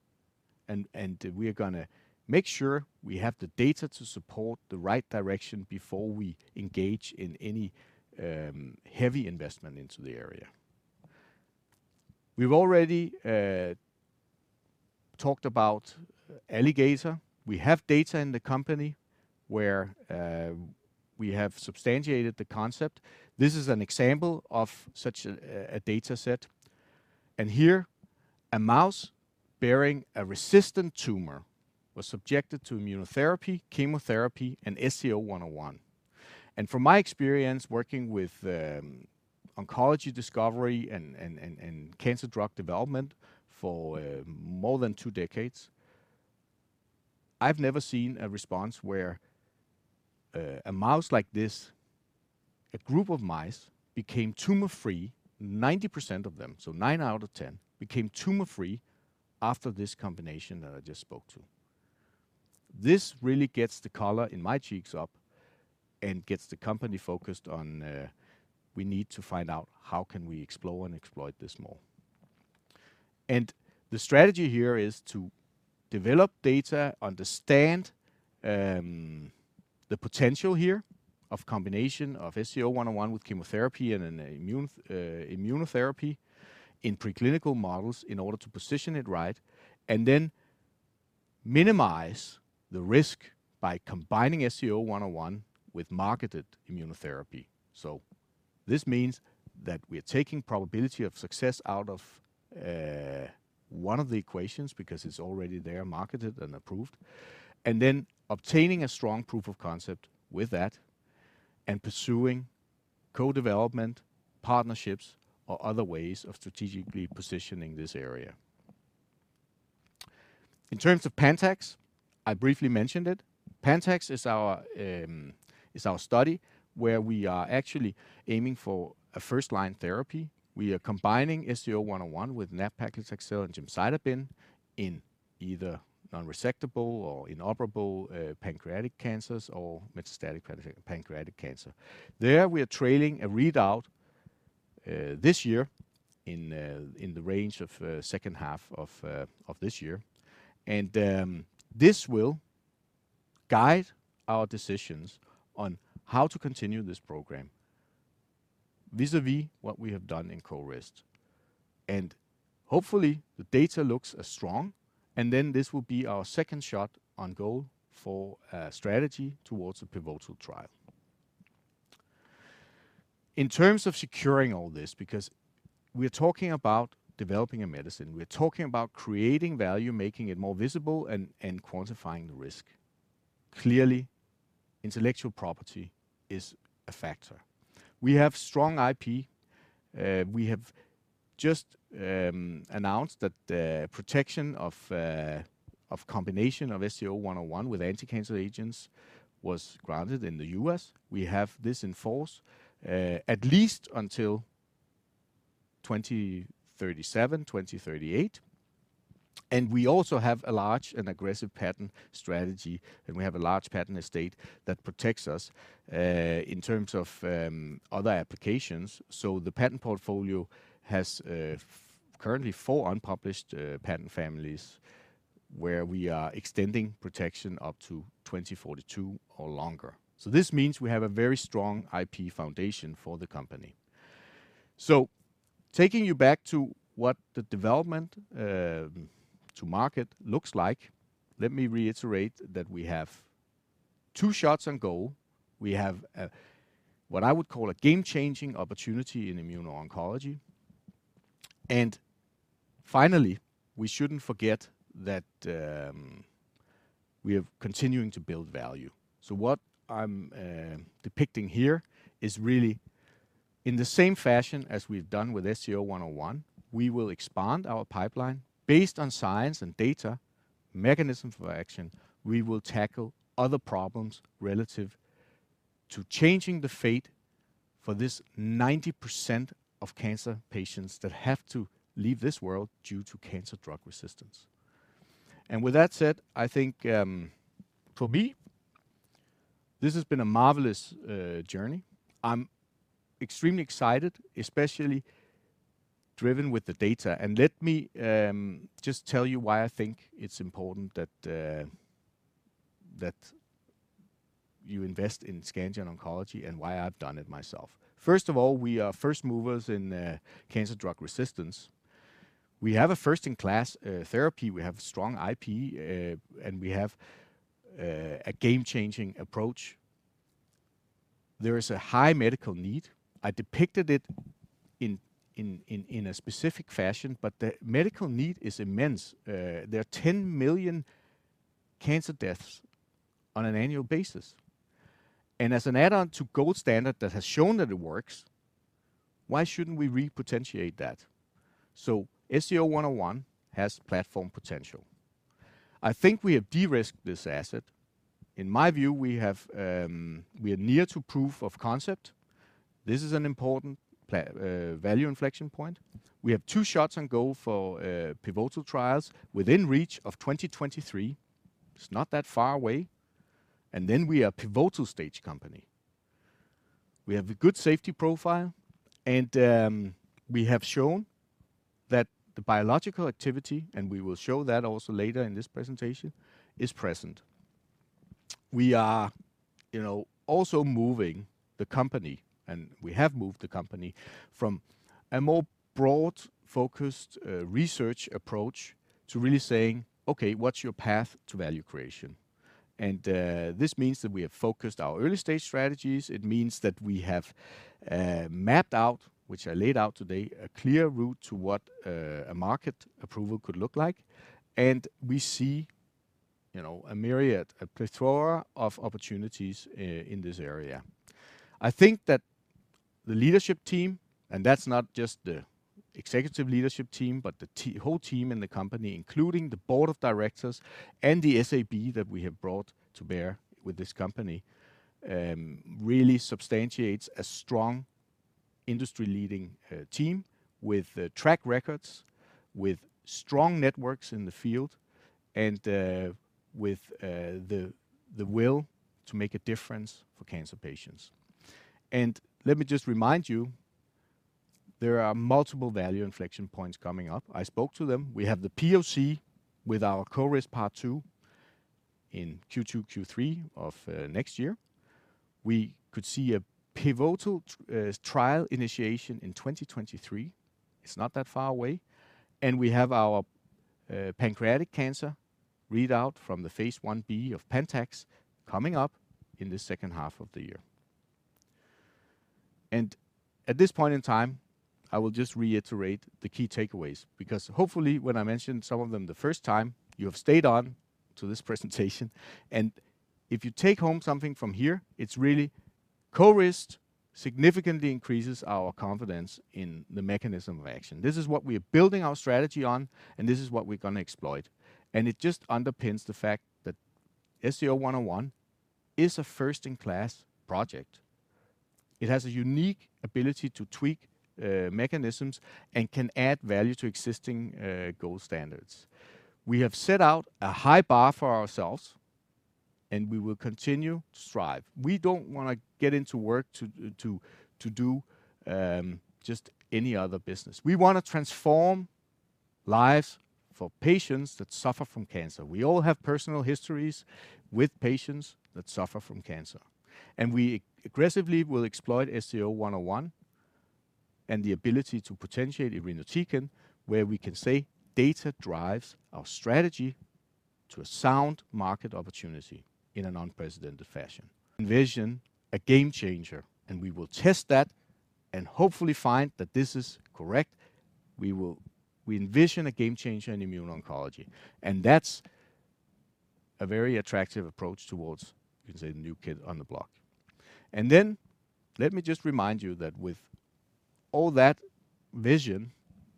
Speaker 2: and we are going to make sure we have the data to support the right direction before we engage in any heavy investment into the area. We've already talked about Alligator. We have data in the company where we have substantiated the concept. This is an example of such a data set. Here, a mouse bearing a resistant tumor was subjected to immunotherapy, chemotherapy, and SCO-101. From my experience working with oncology discovery and cancer drug development for more than two decades, I've never seen a response where a mouse like this, a group of mice, became tumor-free, 90% of them, so 9 out of 10, became tumor-free after this combination that I just spoke to. This really gets the color in my cheeks up and gets the company focused on we need to find out how can we explore and exploit this more. The strategy here is to develop data, understand the potential here of combination of SCO-101 with chemotherapy and an immunotherapy in preclinical models in order to position it right, and then minimize the risk by combining SCO-101 with marketed immunotherapy. This means that we are taking probability of success out of one of the equations, because it's already there, marketed and approved, and then obtaining a strong proof of concept with that and pursuing co-development, partnerships, or other ways of strategically positioning this area. In terms of PANTAX, I briefly mentioned it. PANTAX is our study where we are actually aiming for a first-line therapy. We are combining SCO-101 with nab-paclitaxel and gemcitabine in either non-resectable or inoperable pancreatic cancers or metastatic pancreatic cancer. There, we are trailing a readout this year in the range of second half of this year. This will guide our decisions on how to continue this program vis-à-vis what we have done in CORIST. Hopefully, the data looks as strong, and then this will be our second shot on goal for a strategy towards a pivotal trial. In terms of securing all this, because we are talking about developing a medicine, we are talking about creating value, making it more visible, and quantifying the risk. Clearly, intellectual property is a factor. We have strong IP. We have just announced that the protection of combination of SCO-101 with anticancer agents was granted in the U.S. We have this in force at least until 2037, 2038. We also have a large and aggressive patent strategy, and we have a large patent estate that protects us in terms of other applications. The patent portfolio has currently four unpublished patent families, where we are extending protection up to 2042 or longer. This means we have a very strong IP foundation for the company. Taking you back to what the development to market looks like, let me reiterate that we have two shots on goal. We have what I would call a game-changing opportunity in immuno-oncology. Finally, we shouldn't forget that we are continuing to build value. What I'm depicting here is really in the same fashion as we've done with SCO-101, we will expand our pipeline based on science and data, mechanism for action. We will tackle other problems relative to changing the fate for this 90% of cancer patients that have to leave this world due to cancer drug resistance. With that said, I think for me, this has been a marvelous journey. I'm extremely excited, especially driven with the data. Let me just tell you why I think it's important that you invest in Scandion Oncology, and why I've done it myself. First of all, we are first movers in cancer drug resistance. We have a first-in-class therapy. We have strong IP, and we have a game-changing approach. There is a high medical need. I depicted it in a specific fashion, but the medical need is immense. There are 10 million cancer deaths on an annual basis. As an add-on to gold standard that has shown that it works, why shouldn't we re-potentiate that? SCO-101 has platform potential. I think we have de-risked this asset. In my view, we are near to proof of concept. This is an important value inflection point. We have two shots on goal for pivotal trials within reach of 2023. It's not that far away. We are a pivotal stage company. We have a good safety profile, and we have shown that the biological activity, and we will show that also later in this presentation, is present. We are also moving the company, and we have moved the company from a more broad-focused research approach to really saying, okay, what's your path to value creation? This means that we have focused our early-stage strategies. It means that we have mapped out, which I laid out today, a clear route to what a market approval could look like. We see a myriad, a plethora of opportunities in this area. I think that the leadership team, and that's not just the executive leadership team, but the whole team in the company, including the board of directors and the SAB that we have brought to bear with this company, really substantiates a strong industry-leading team with track records, with strong networks in the field, and with the will to make a difference for cancer patients. Let me just remind you, there are multiple value inflection points coming up. I spoke to them. We have the POC with our CORIST part 2 in Q2, Q3 of next year. We could see a pivotal trial initiation in 2023. It's not that far away. We have our pancreatic cancer readout from the phase I-B of PANTAX coming up in the second half of the year. At this point in time, I will just reiterate the key takeaways, because hopefully when I mentioned some of them the first time, you have stayed on to this presentation. If you take home something from here, it's really CORIST significantly increases our confidence in the mechanism of action. This is what we are building our strategy on, and this is what we're going to exploit. It just underpins the fact that SCO-101 is a first-in-class project. It has a unique ability to tweak mechanisms and can add value to existing gold standards. We have set out a high bar for ourselves, and we will continue to strive. We don't want to get into work to do just any other business. We want to transform lives for patients that suffer from cancer. We all have personal histories with patients that suffer from cancer. We aggressively will exploit SCO-101 and the ability to potentiate irinotecan, where we can say data drives our strategy to a sound market opportunity in an unprecedented fashion. Envision a game-changer. We will test that and hopefully find that this is correct. We envision a game-changer in immuno-oncology. That's a very attractive approach towards, you can say, the new kid on the block. Then let me just remind you that with all that vision,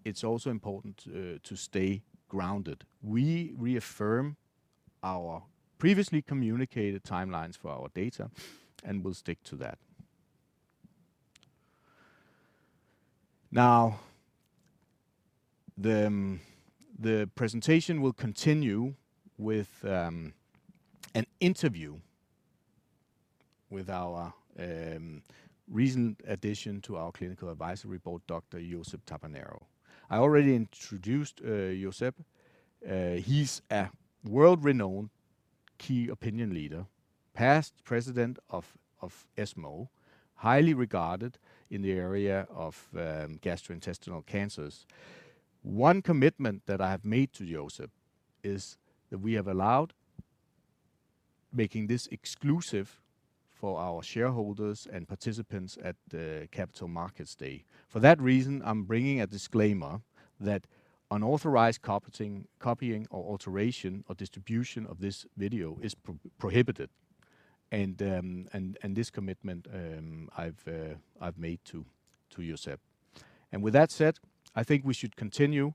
Speaker 2: it's also important to stay grounded. We reaffirm our previously communicated timelines for our data, and we'll stick to that. Now, the presentation will continue with an interview with our recent addition to our clinical advisory board, Dr. Josep Tabernero. I already introduced Josep. He's a world-renowned key opinion leader, past president of ESMO, highly regarded in the area of gastrointestinal cancers. One commitment that I have made to Josep is that we have allowed making this exclusive for our shareholders and participants at the Capital Markets Day. For that reason, I'm bringing a disclaimer that unauthorized copying or alteration or distribution of this video is prohibited. This commitment I've made to Josep. With that said, I think we should continue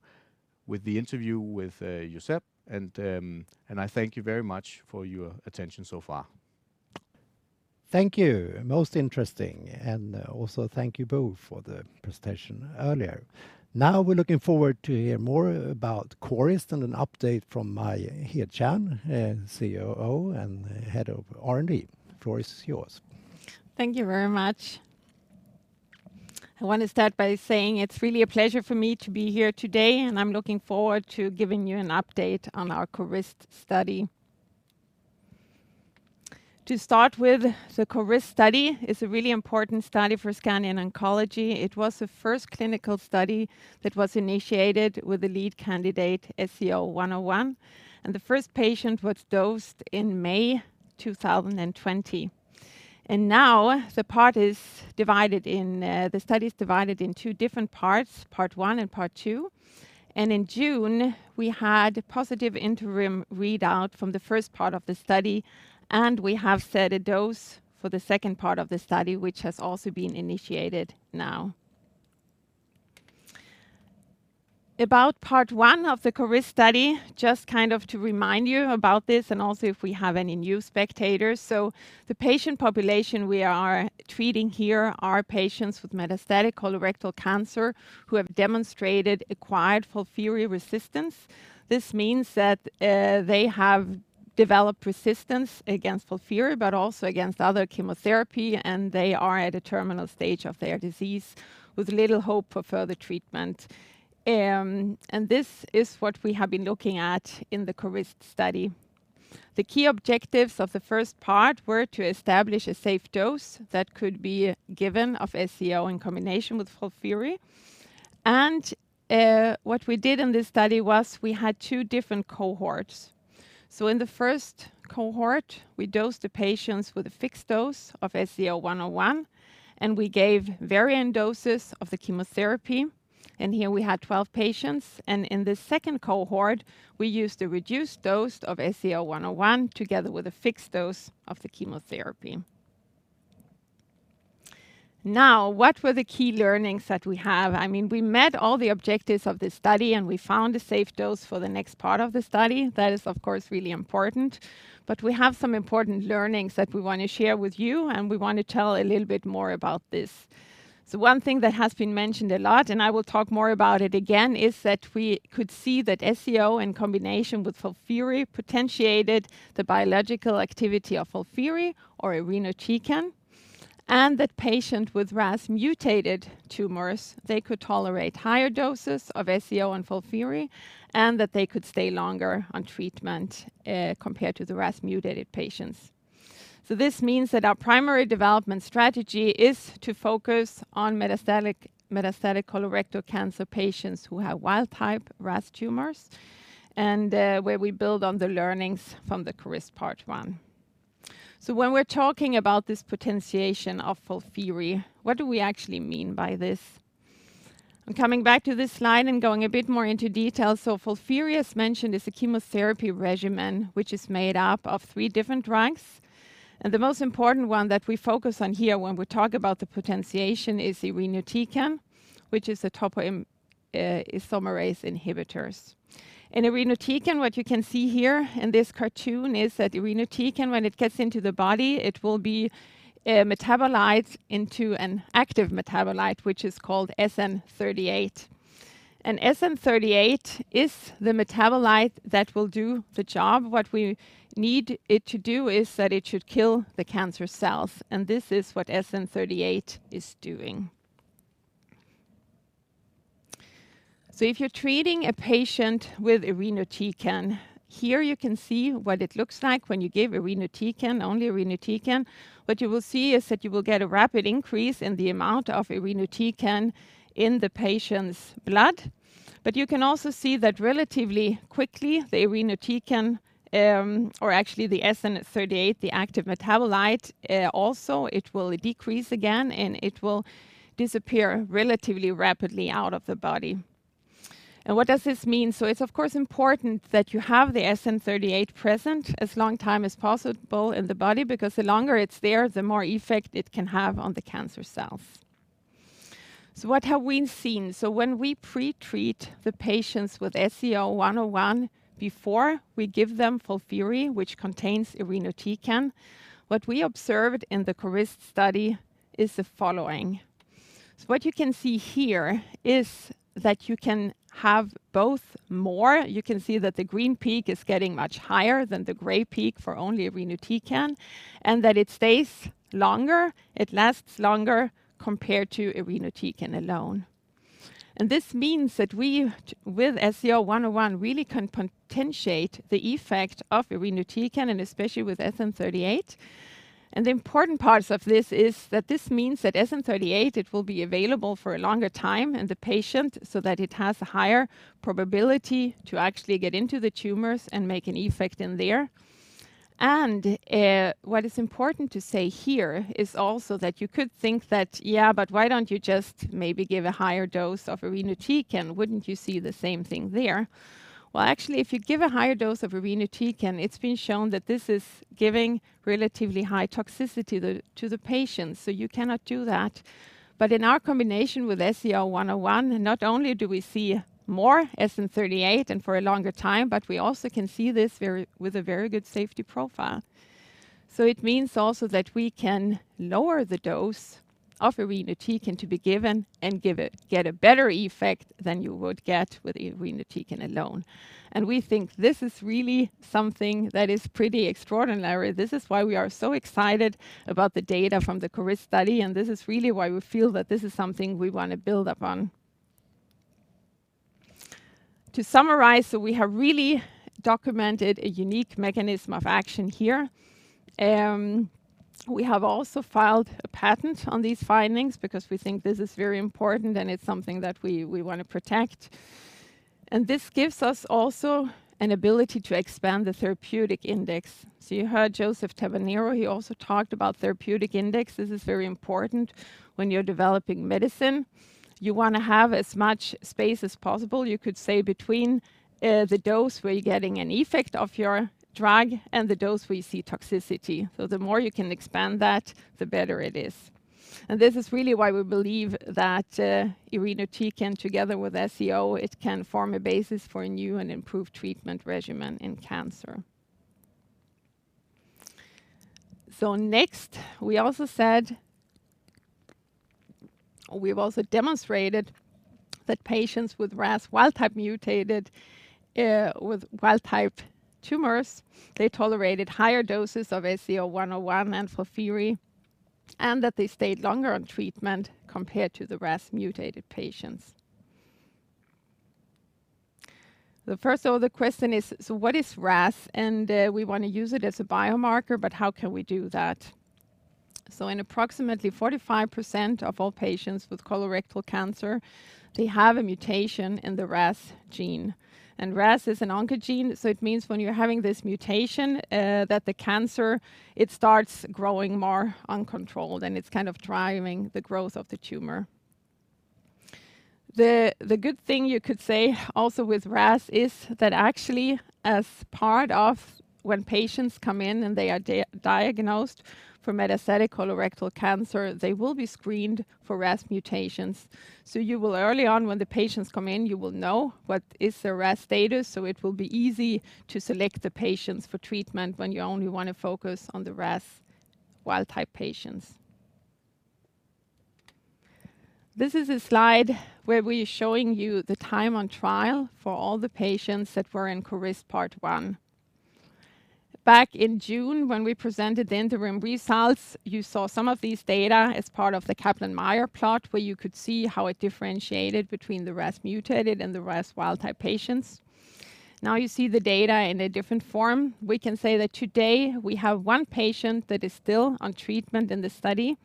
Speaker 2: with the interview with Josep, and I thank you very much for your attention so far.
Speaker 1: Thank you. Most interesting. Also thank you both for the presentation earlier. We're looking forward to hear more about CORIST and an update from Maj Hedtjärn, COO and Head of R&D. Floor is yours.
Speaker 3: Thank you very much. I want to start by saying it's really a pleasure for me to be here today, and I'm looking forward to giving you an update on our CORIST study. To start with, the CORIST study is a really important study for Scandion Oncology. It was the first clinical study that was initiated with the lead candidate SCO-101, and the first patient was dosed in May 2020. Now the study is divided in two different parts, part one and part two. In June we had positive interim readout from the first part of the study, and we have set a dose for the second part of the study, which has also been initiated now. About part one of the CORIST study, just to remind you about this and also if we have any new spectators. The patient population we are treating here are patients with metastatic colorectal cancer who have demonstrated acquired FOLFIRI resistance. This means that they have developed resistance against FOLFIRI, but also against other chemotherapy, and they are at a terminal stage of their disease with little hope for further treatment. This is what we have been looking at in the CORIST study. The key objectives of the first part were to establish a safe dose that could be given of SCO-101 in combination with FOLFIRI. What we did in this study was we had two different cohorts. In the first cohort, we dosed the patients with a fixed dose of SCO-101, and we gave varying doses of the chemotherapy. Here we had 12 patients. In the second cohort, we used a reduced dose of SCO-101 together with a fixed dose of the chemotherapy. What were the key learnings that we have? We met all the objectives of this study, and we found a safe dose for the next part of the study. That is, of course, really important. We have some important learnings that we want to share with you, and we want to tell a little bit more about this. One thing that has been mentioned a lot, and I will talk more about it again, is that we could see that SCO-101 in combination with FOLFIRI potentiated the biological activity of FOLFIRI or irinotecan, and that patient with RAS mutated tumors, they could tolerate higher doses of SCO-101 and FOLFIRI, and that they could stay longer on treatment compared to the RAS mutated patients. This means that our primary development strategy is to focus on metastatic colorectal cancer patients who have wild type RAS tumors, and where we build on the learnings from the CORIST part one. When we're talking about this potentiation of FOLFIRI, what do we actually mean by this? I'm coming back to this slide and going a bit more into detail. FOLFIRI, as mentioned, is a chemotherapy regimen, which is made up of three different drugs. The most important one that we focus on here when we talk about the potentiation is irinotecan which is a topoisomerase inhibitors. In irinotecan what you can see here in this cartoon is that irinotecan when it gets into the body, it will be metabolized into an active metabolite, which is called SN-38. SN-38 is the metabolite that will do the job. What we need it to do is that it should kill the cancer cells, and this is what SN-38 is doing. If you're treating a patient with irinotecan, here you can see what it looks like when you give irinotecan, only irinotecan. What you will see is that you will get a rapid increase in the amount of irinotecan in the patient's blood. You can also see that relatively quickly, the irinotecan, or actually the SN-38, the active metabolite, also it will decrease again, and it will disappear relatively rapidly out of the body. What does this mean? It's of course important that you have the SN-38 present as long time as possible in the body because the longer it's there, the more effect it can have on the cancer cells. What have we seen? When we pretreat the patients with SCO-101 before we give them FOLFIRI which contains irinotecan, what we observed in the CORIST study is the following. What you can see here is that you can have both more, you can see that the green peak is getting much higher than the gray peak for only irinotecan, and that it stays longer, it lasts longer compared to irinotecan alone. This means that we, with SCO-101, really can potentiate the effect of irinotecan and especially with SN-38. The important parts of this is that this means that SN-38, it will be available for a longer time in the patient so that it has a higher probability to actually get into the tumors and make an effect in there. What is important to say here is also that you could think that, yeah, why don't you just maybe give a higher dose of irinotecan? Wouldn't you see the same thing there? Well, actually, if you give a higher dose of irinotecan, it's been shown that this is giving relatively high toxicity to the patient, so you cannot do that. In our combination with SCO-101, not only do we see more SN-38 and for a longer time, but we also can see this with a very good safety profile. It means also that we can lower the dose of irinotecan to be given and get a better effect than you would get with irinotecan alone. We think this is really something that is pretty extraordinary. This is why we are so excited about the data from the CORIST study. This is really why we feel that this is something we want to build upon. To summarize, we have really documented a unique mechanism of action here. We have also filed a patent on these findings because we think this is very important and it's something that we want to protect. This gives us also an ability to expand the therapeutic index. You heard Josep Tabernero, he also talked about therapeutic index. This is very important when you're developing medicine. You want to have as much space as possible, you could say, between the dose where you're getting an effect of your drug and the dose where you see toxicity. The more you can expand that, the better it is. This is really why we believe that irinotecan together with SCO-101, it can form a basis for a new and improved treatment regimen in cancer. Next, we've also demonstrated that patients with RAS wild type mutated, with wild type tumors, they tolerated higher doses of SCO-101 and FOLFIRI, and that they stayed longer on treatment compared to the RAS mutated patients. First of all, the question is, what is RAS? We want to use it as a biomarker, but how can we do that? In approximately 45% of all patients with colorectal cancer, they have a mutation in the RAS gene. RAS is an oncogene, it means when you're having this mutation, that the cancer, it starts growing more uncontrolled, and it's kind of driving the growth of the tumor. The good thing you could say also with RAS is that actually as part of when patients come in and they are diagnosed for metastatic colorectal cancer, they will be screened for RAS mutations. You will early on, when the patients come in, you will know what is the RAS status, so it will be easy to select the patients for treatment when you only want to focus on the RAS wild type patients. This is a slide where we're showing you the time on trial for all the patients that were in CORIST part 1. Back in June, when we presented the interim results, you saw some of these data as part of the Kaplan-Meier plot, where you could see how it differentiated between the RAS mutated and the RAS wild type patients. Now you see the data in a different form. We can say that today we have one patient that is still on treatment in the study,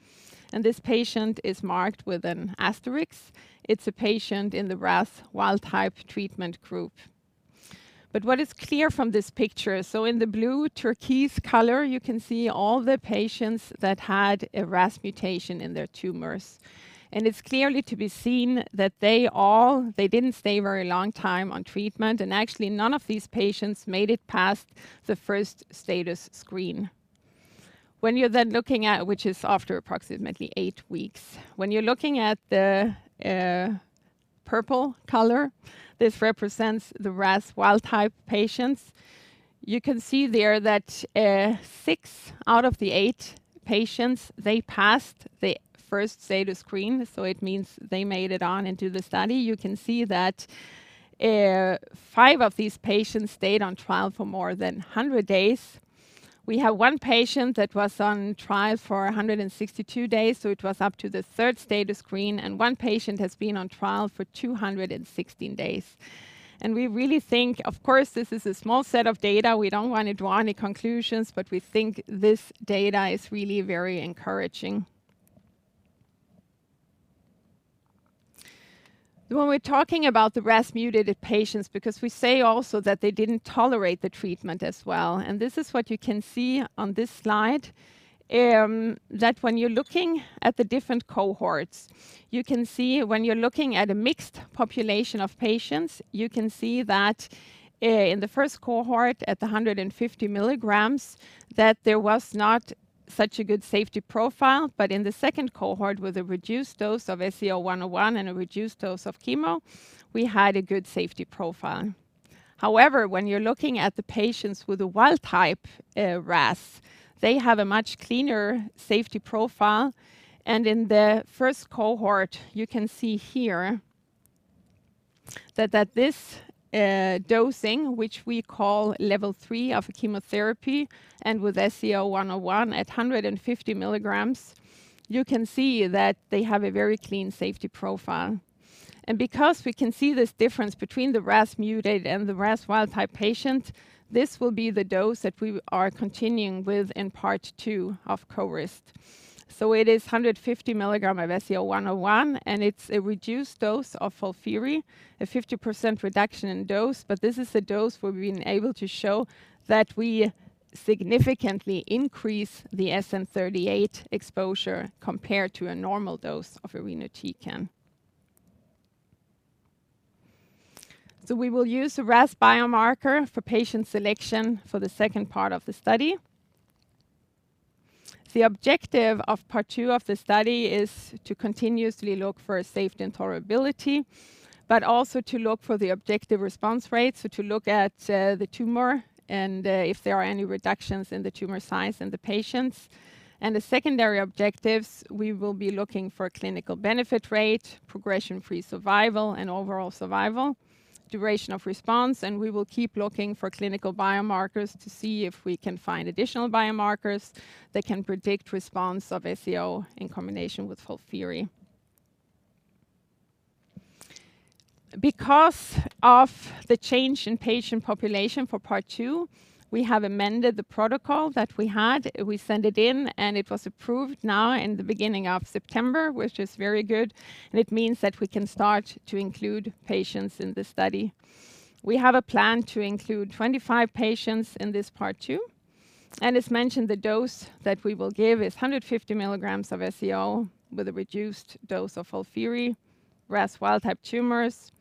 Speaker 3: and this patient is marked with an asterisk. It's a patient in the RAS wild type treatment group. What is clear from this picture, in the blue turquoise color, you can see all the patients that had a RAS mutation in their tumors. It's clearly to be seen that they didn't stay very long time on treatment, and actually none of these patients made it past the first status screen, which is after approximately eight weeks. When you're looking at the purple color, this represents the RAS wild type patients. You can see there that six out of the eight patients, they passed the first status screen, so it means they made it on into the study. You can see that five of these patients stayed on trial for more than 100 days. We have one patient that was on trial for 162 days, so it was up to the third status screen, and one patient has been on trial for 216 days. We really think, of course, this is a small set of data. We don't want to draw any conclusions, but we think this data is really very encouraging. When we're talking about the RAS mutated patients, because we say also that they didn't tolerate the treatment as well, and this is what you can see on this slide, that when you're looking at the different cohorts, you can see when you're looking at a mixed population of patients, you can see that in the first cohort at the 150 milligrams, that there was not such a good safety profile. In the second cohort with a reduced dose of SCO-101 and a reduced dose of chemo, we had a good safety profile. However, when you're looking at the patients with a wild-type RAS, they have a much cleaner safety profile, and in the first cohort, you can see here that this dosing, which we call level 3 of chemotherapy, and with SCO-101 at 150 mg, you can see that they have a very clean safety profile. Because we can see this difference between the RAS mutant and the RAS wild-type patients, this will be the dose that we are continuing with in part 2 of CORIST. It is 150 mg of SCO-101, and it's a reduced dose of FOLFIRI, a 50% reduction in dose, but this is the dose we've been able to show that we significantly increase the SN-38 exposure compared to a normal dose of irinotecan. We will use a RAS biomarker for patient selection for the second part of the study. The objective of part 2 of the study is to continuously look for safety and tolerability, but also to look for the objective response rate, so to look at the tumor and if there are any reductions in the tumor size in the patients. The secondary objectives, we will be looking for clinical benefit rate, progression-free survival, and overall survival, duration of response, and we will keep looking for clinical biomarkers to see if we can find additional biomarkers that can predict response of SCO in combination with FOLFIRI. Because of the change in patient population for part 2, we have amended the protocol that we had. We sent it in, it was approved now in the beginning of September, which is very good, and it means that we can start to include patients in the study. We have a plan to include 25 patients in this part 2, as mentioned, the dose that we will give is 150 mg of SCO with a reduced dose of FOLFIRI, RAS wild-type tumors.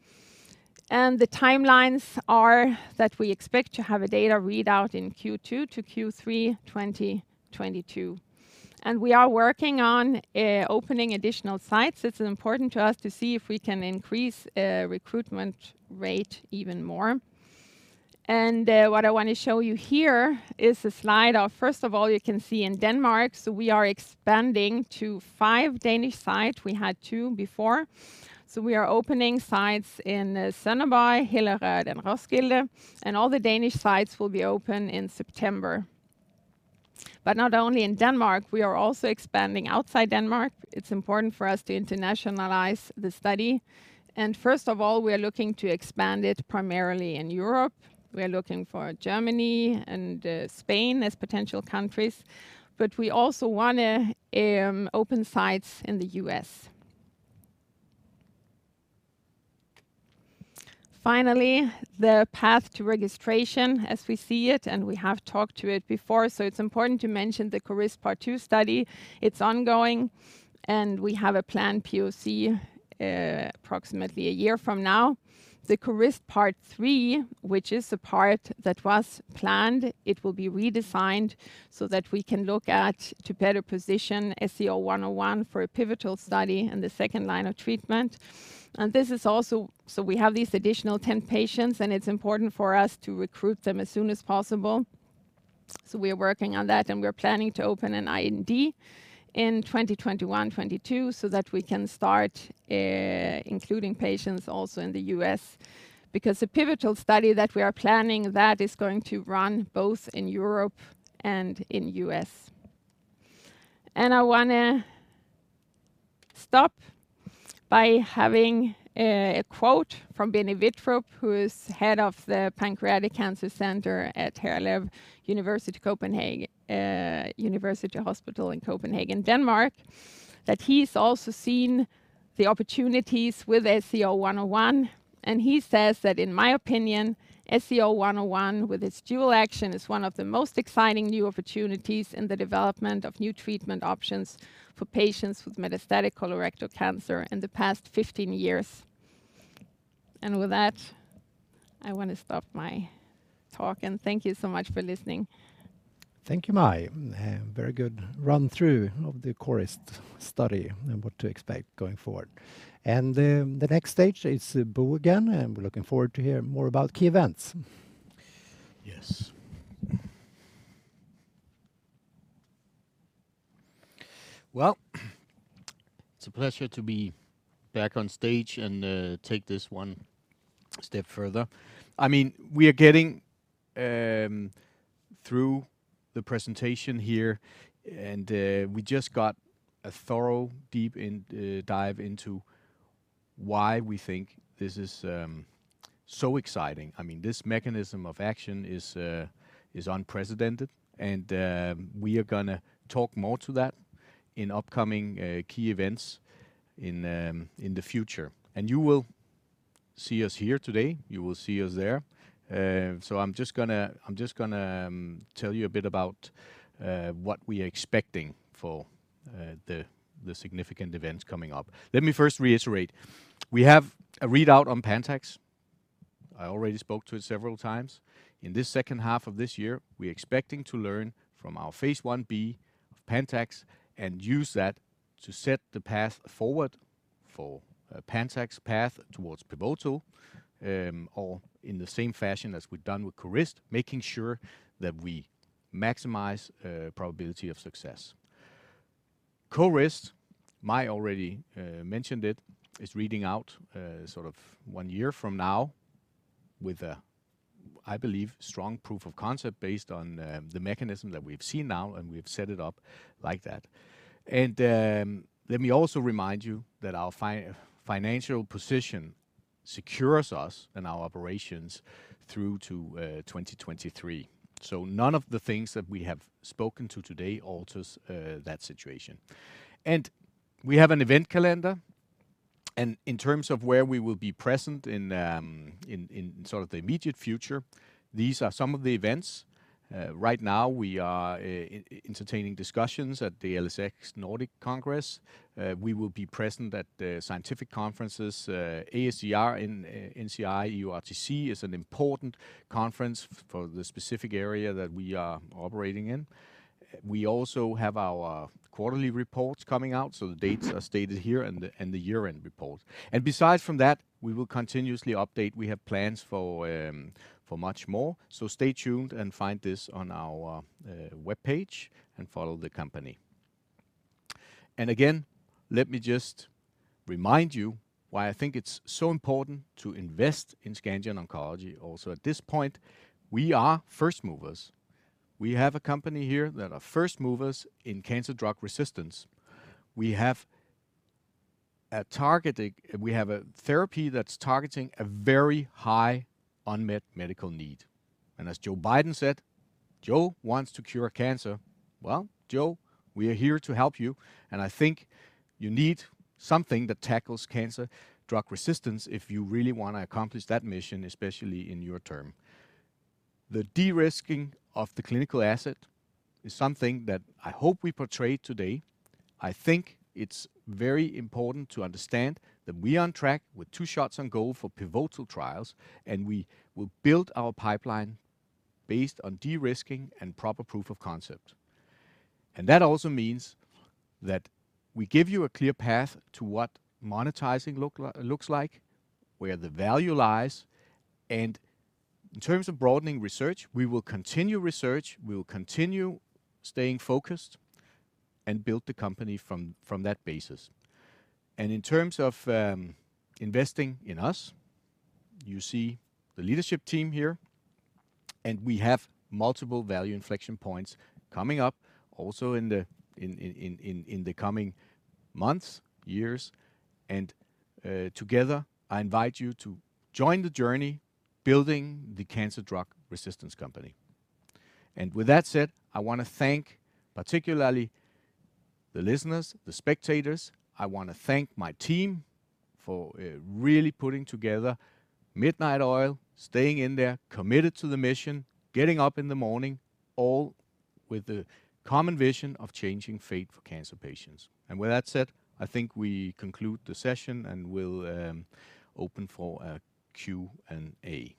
Speaker 3: The timelines are that we expect to have a data readout in Q2 to Q3 2022. We are working on opening additional sites. It's important to us to see if we can increase recruitment rate even more. What I want to show you here is a slide of, first of all, you can see in Denmark, we are expanding to five Danish sites. We had two before. We are opening sites in Sønderborg, Hillerød, and Roskilde, and all the Danish sites will be open in September. Not only in Denmark, we are also expanding outside Denmark. It's important for us to internationalize the study. First of all, we are looking to expand it primarily in Europe. We are looking for Germany and Spain as potential countries. We also want to open sites in the U.S. Finally, the path to registration as we see it, and we have talked to it before, so it's important to mention the CORIST part 2 study. It's ongoing, and we have a planned POC approximately one year from now. The CORIST part 3, which is the part that was planned, it will be redesigned so that we can look at to better position SCO-101 for a pivotal study in the second line of treatment. We have these additional 10 patients, and it's important for us to recruit them as soon as possible. We are working on that, and we are planning to open an IND in 2021, 2022, so that we can start including patients also in the U.S. because the pivotal study that we are planning, that is going to run both in Europe and in the U.S. I want to stop by having a quote from Benny Vittrup, who is Head of the Pancreatic Cancer Center at Herlev University Hospital in Copenhagen, Denmark, that he's also seen the opportunities with SCO-101, and he says that, "In my opinion, SCO-101 with its dual action is one of the most exciting new opportunities in the development of new treatment options for patients with metastatic colorectal cancer in the past 15 years." With that, I want to stop my talk, and thank you so much for listening.
Speaker 1: Thank you, Maj. Very good run-through of the CORIST study and what to expect going forward. The next stage is Bo Rode Hansen again, and we're looking forward to hearing more about key events.
Speaker 2: Yes. Well, it's a pleasure to be back on stage and take this one step further. We are getting through the presentation here, and we just got a thorough, deep dive into why we think this is so exciting. This mechanism of action is unprecedented, and we are going to talk more to that in upcoming key events in the future. You will see us here today, you will see us there. I'm just going to tell you a bit about what we are expecting for the significant events coming up. Let me first reiterate. We have a readout on PANTAX. I already spoke to it several times. In this second half of this year, we're expecting to learn from our Phase I-B of PANTAX and use that to set the path forward for PANTAX's path towards pivotal, or in the same fashion as we've done with CORIST, making sure that we maximize probability of success. CORIST, Maj already mentioned it, is reading out one year from now with, I believe, strong proof of concept based on the mechanism that we've seen now, and we've set it up like that. Let me also remind you that our financial position secures us and our operations through to 2023. None of the things that we have spoken to today alters that situation. We have an event calendar, and in terms of where we will be present in the immediate future, these are some of the events. Right now, we are entertaining discussions at the LSX Nordic Congress. We will be present at the scientific conferences, AACR in NCI. EORTC is an important conference for the specific area that we are operating in. We also have our quarterly reports coming out, so the dates are stated here, and the year-end report. Besides from that, we will continuously update. We have plans for much more, so stay tuned and find this on our webpage and follow the company. Again, let me just remind you why I think it's so important to invest in Scandion Oncology also. At this point, we are first movers. We have a company here that are first movers in cancer drug resistance. We have a therapy that's targeting a very high unmet medical need. As Joe Biden said, Joe wants to cure cancer. Well, Joe, we are here to help you, and I think you need something that tackles cancer drug resistance if you really want to accomplish that mission, especially in your term. The de-risking of the clinical asset is something that I hope we portrayed today. I think it's very important to understand that we are on track with two shots on goal for pivotal trials. We will build our pipeline based on de-risking and proper proof of concept. That also means that we give you a clear path to what monetizing looks like, where the value lies, and in terms of broadening research, we will continue research, we will continue staying focused, and build the company from that basis. In terms of investing in us, you see the leadership team here, and we have multiple value inflection points coming up also in the coming months, years. Together, I invite you to join the journey building the cancer drug resistance company. With that said, I want to thank particularly the listeners, the spectators. I want to thank my team for really putting together midnight oil, staying in there, committed to the mission, getting up in the morning, all with the common vision of changing fate for cancer patients. With that said, I think we conclude the session, and we'll open for a Q&A. Shall we?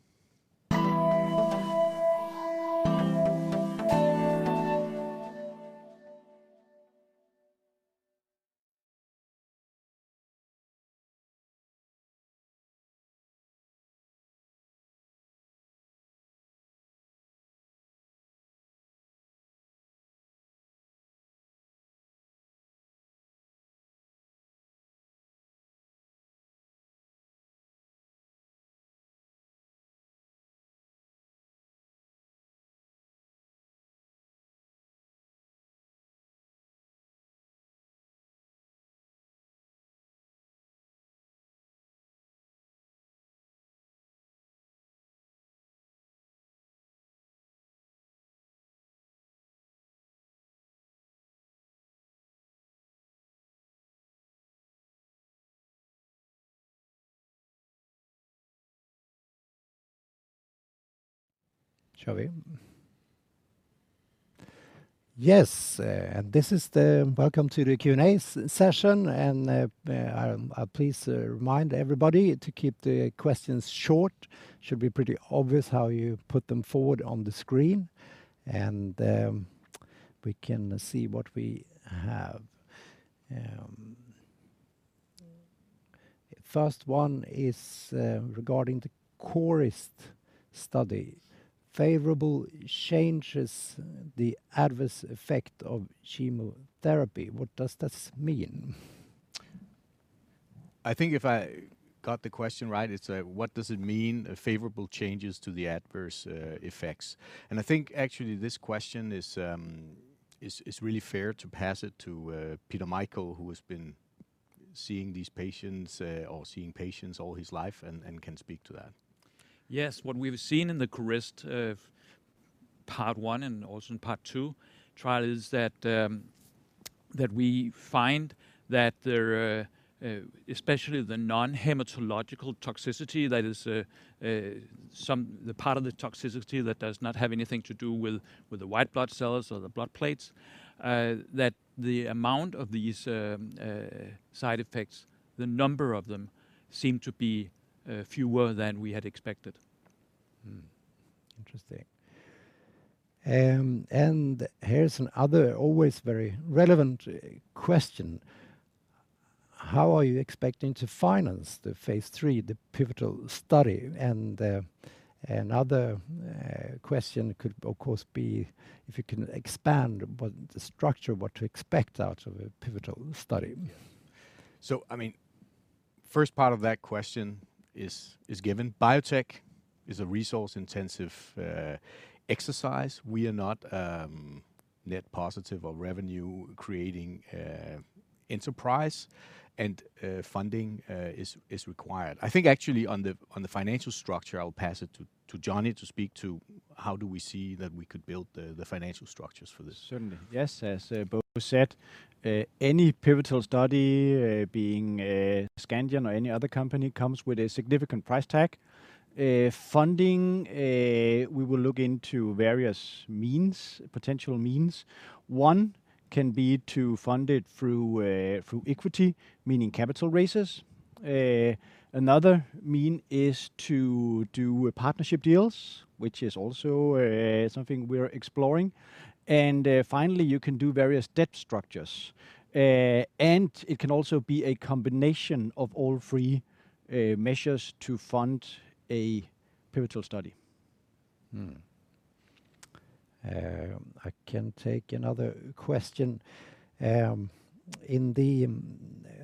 Speaker 1: Yes, welcome to the Q&A session, and please remind everybody to keep the questions short. Should be pretty obvious how you put them forward on the screen, and we can see what we have. First one is regarding the CORIST study. Favorable changes the adverse effect of chemotherapy. What does this mean?
Speaker 2: I think if I got the question right, it's what does it mean, favorable changes to the adverse effects? I think actually this question is really fair to pass it to Peter Michael, who has been seeing these patients or seeing patients all his life and can speak to that.
Speaker 4: Yes. What we've seen in the CORIST part 1 and also in part 2 trial is that we find that there are, especially the non-hematological toxicity, that is the part of the toxicity that does not have anything to do with the white blood cells or the platelets, that the amount of these side effects, the number of them seem to be fewer than we had expected.
Speaker 1: Interesting. Here's another always very relevant question. How are you expecting to finance the phase III, the pivotal study? Another question could, of course, be if you can expand what the structure, what to expect out of a pivotal study.
Speaker 2: Yeah. First part of that question is given. Biotech is a resource-intensive exercise. We are not net positive or revenue-creating enterprise, and funding is required. I think actually on the financial structure, I'll pass it to Johnny to speak to how do we see that we could build the financial structures for this.
Speaker 5: Certainly. Yes, as Bo said, any pivotal study, being Scandion or any other company, comes with a significant price tag. Funding, we will look into various potential means. One can be to fund it through equity, meaning capital raises. Another means is to do partnership deals, which is also something we are exploring. Finally, you can do various debt structures, and it can also be a combination of all three measures to fund a pivotal study.
Speaker 1: I can take another question. In the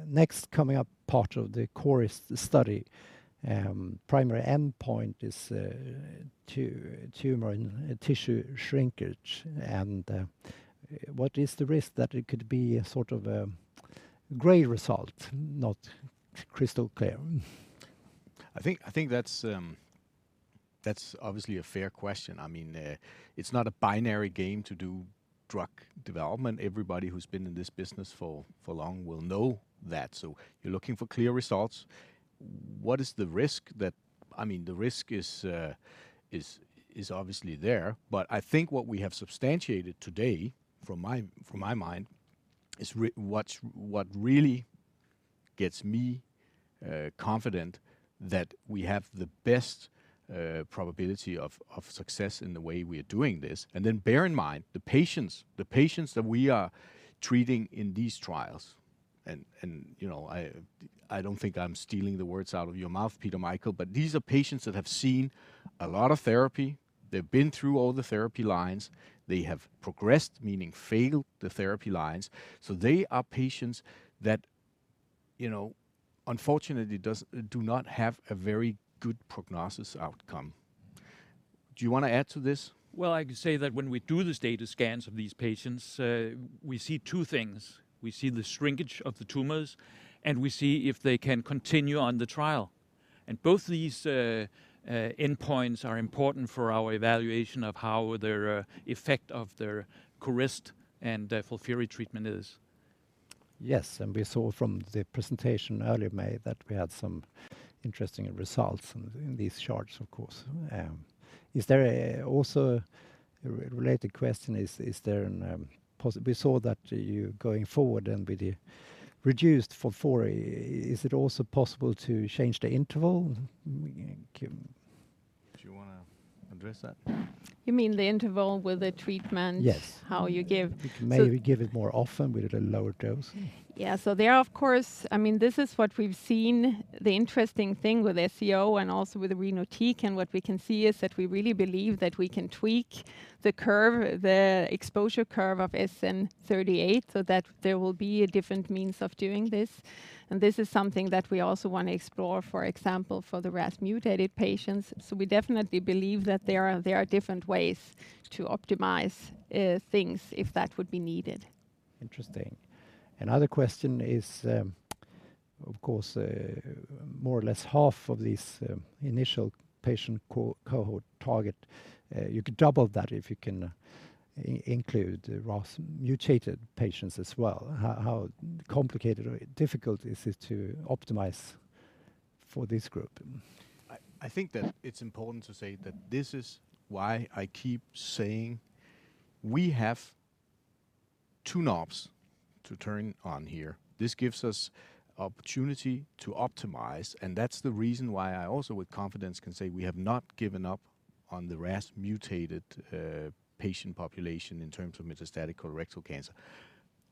Speaker 1: next coming up part of the CORIST study, primary endpoint is tumor and tissue shrinkage, what is the risk that it could be sort of a gray result, not crystal clear?
Speaker 2: I think that's obviously a fair question. It's not a binary game to do drug development. Everybody who's been in this business for long will know that. You're looking for clear results. What is the risk? The risk is obviously there, but I think what we have substantiated today, from my mind, is what really gets me confident that we have the best probability of success in the way we are doing this. Bear in mind the patients that we are treating in these trials, I don't think I'm stealing the words out of your mouth, Peter Michael, but these are patients that have seen a lot of therapy. They've been through all the therapy lines. They have progressed, meaning failed the therapy lines. They are patients that unfortunately do not have a very good prognosis outcome. Do you want to add to this?
Speaker 4: Well, I can say that when we do the status scans of these patients, we see two things. We see the shrinkage of the tumors, and we see if they can continue on the trial. Both these endpoints are important for our evaluation of how their effect of their CORIST and FOLFIRI treatment is.
Speaker 1: Yes, we saw from the presentation earlier, that we had some interesting results in these charts, of course. A related question, we saw that you, going forward and with the reduced FOLFIRI, is it also possible to change the interval?
Speaker 2: Do you want to address that?
Speaker 3: You mean the interval with the treatment?
Speaker 1: Yes
Speaker 3: how you give.
Speaker 1: Maybe we give it more often with a lower dose.
Speaker 3: This is what we've seen, the interesting thing with SCO and also with irinotecan, and what we can see is that we really believe that we can tweak the exposure curve of SN-38, so that there will be a different means of doing this. This is something that we also want to explore, for example, for the RAS mutated patients. We definitely believe that there are different ways to optimize things if that would be needed.
Speaker 1: Interesting. Another question is, of course, more or less half of this initial patient cohort target, you could double that if you can include RAS mutated patients as well. How complicated or difficult is it to optimize for this group?
Speaker 2: I think that it is important to say that this is why I keep saying we have two knobs to turn on here. This gives us opportunity to optimize, that is the reason why I also with confidence can say we have not given up on the RAS mutated patient population in terms of metastatic colorectal cancer.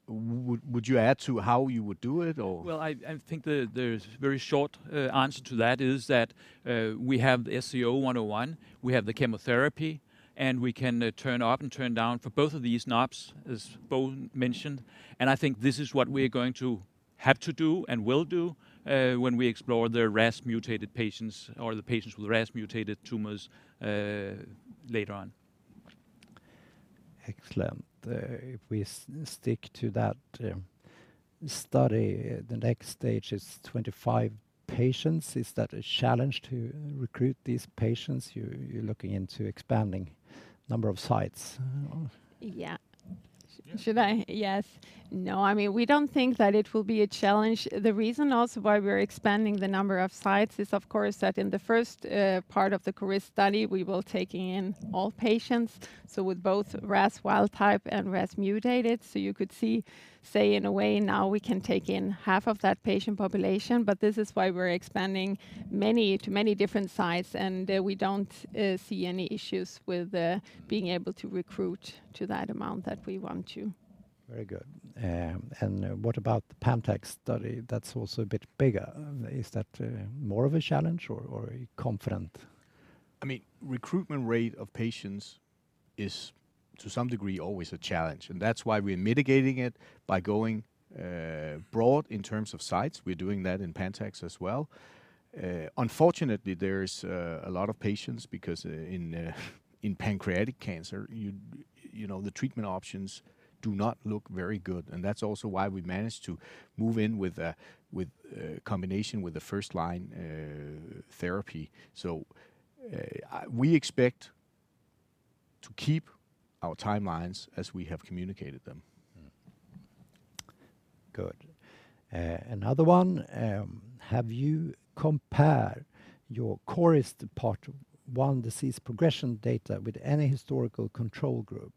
Speaker 2: Would you add to how you would do it, or?
Speaker 4: Well, I think the very short answer to that is that we have the SCO-101, we have the chemotherapy, and we can turn up and turn down for both of these knobs, as Bo mentioned, and I think this is what we are going to have to do and will do when we explore the RAS mutated patients or the patients with RAS mutated tumors later on.
Speaker 1: Excellent. If we stick to that study, the next stage is 25 patients. Is that a challenge to recruit these patients? You are looking into expanding number of sites.
Speaker 3: Yeah. Should I? Yes. No, we don't think that it will be a challenge. The reason also why we're expanding the number of sites is, of course, that in the first part of the CORIST study, we will taking in all patients, so with both RAS wild type and RAS mutated. You could see, say, in a way now we can take in half of that patient population, but this is why we're expanding to many different sites, and we don't see any issues with being able to recruit to that amount that we want to.
Speaker 1: Very good. What about the PANTAX study that is also a bit bigger? Is that more of a challenge or are you confident?
Speaker 2: Recruitment rate of patients is to some degree always a challenge, and that's why we're mitigating it by going broad in terms of sites. We're doing that in PANTAX as well. Unfortunately, there's a lot of patients because in pancreatic cancer, the treatment options do not look very good, and that's also why we managed to move in with a combination with the first-line therapy. We expect to keep our timelines as we have communicated them.
Speaker 1: Good. Another one, have you compared your CORIST Part 1 disease progression data with any historical control group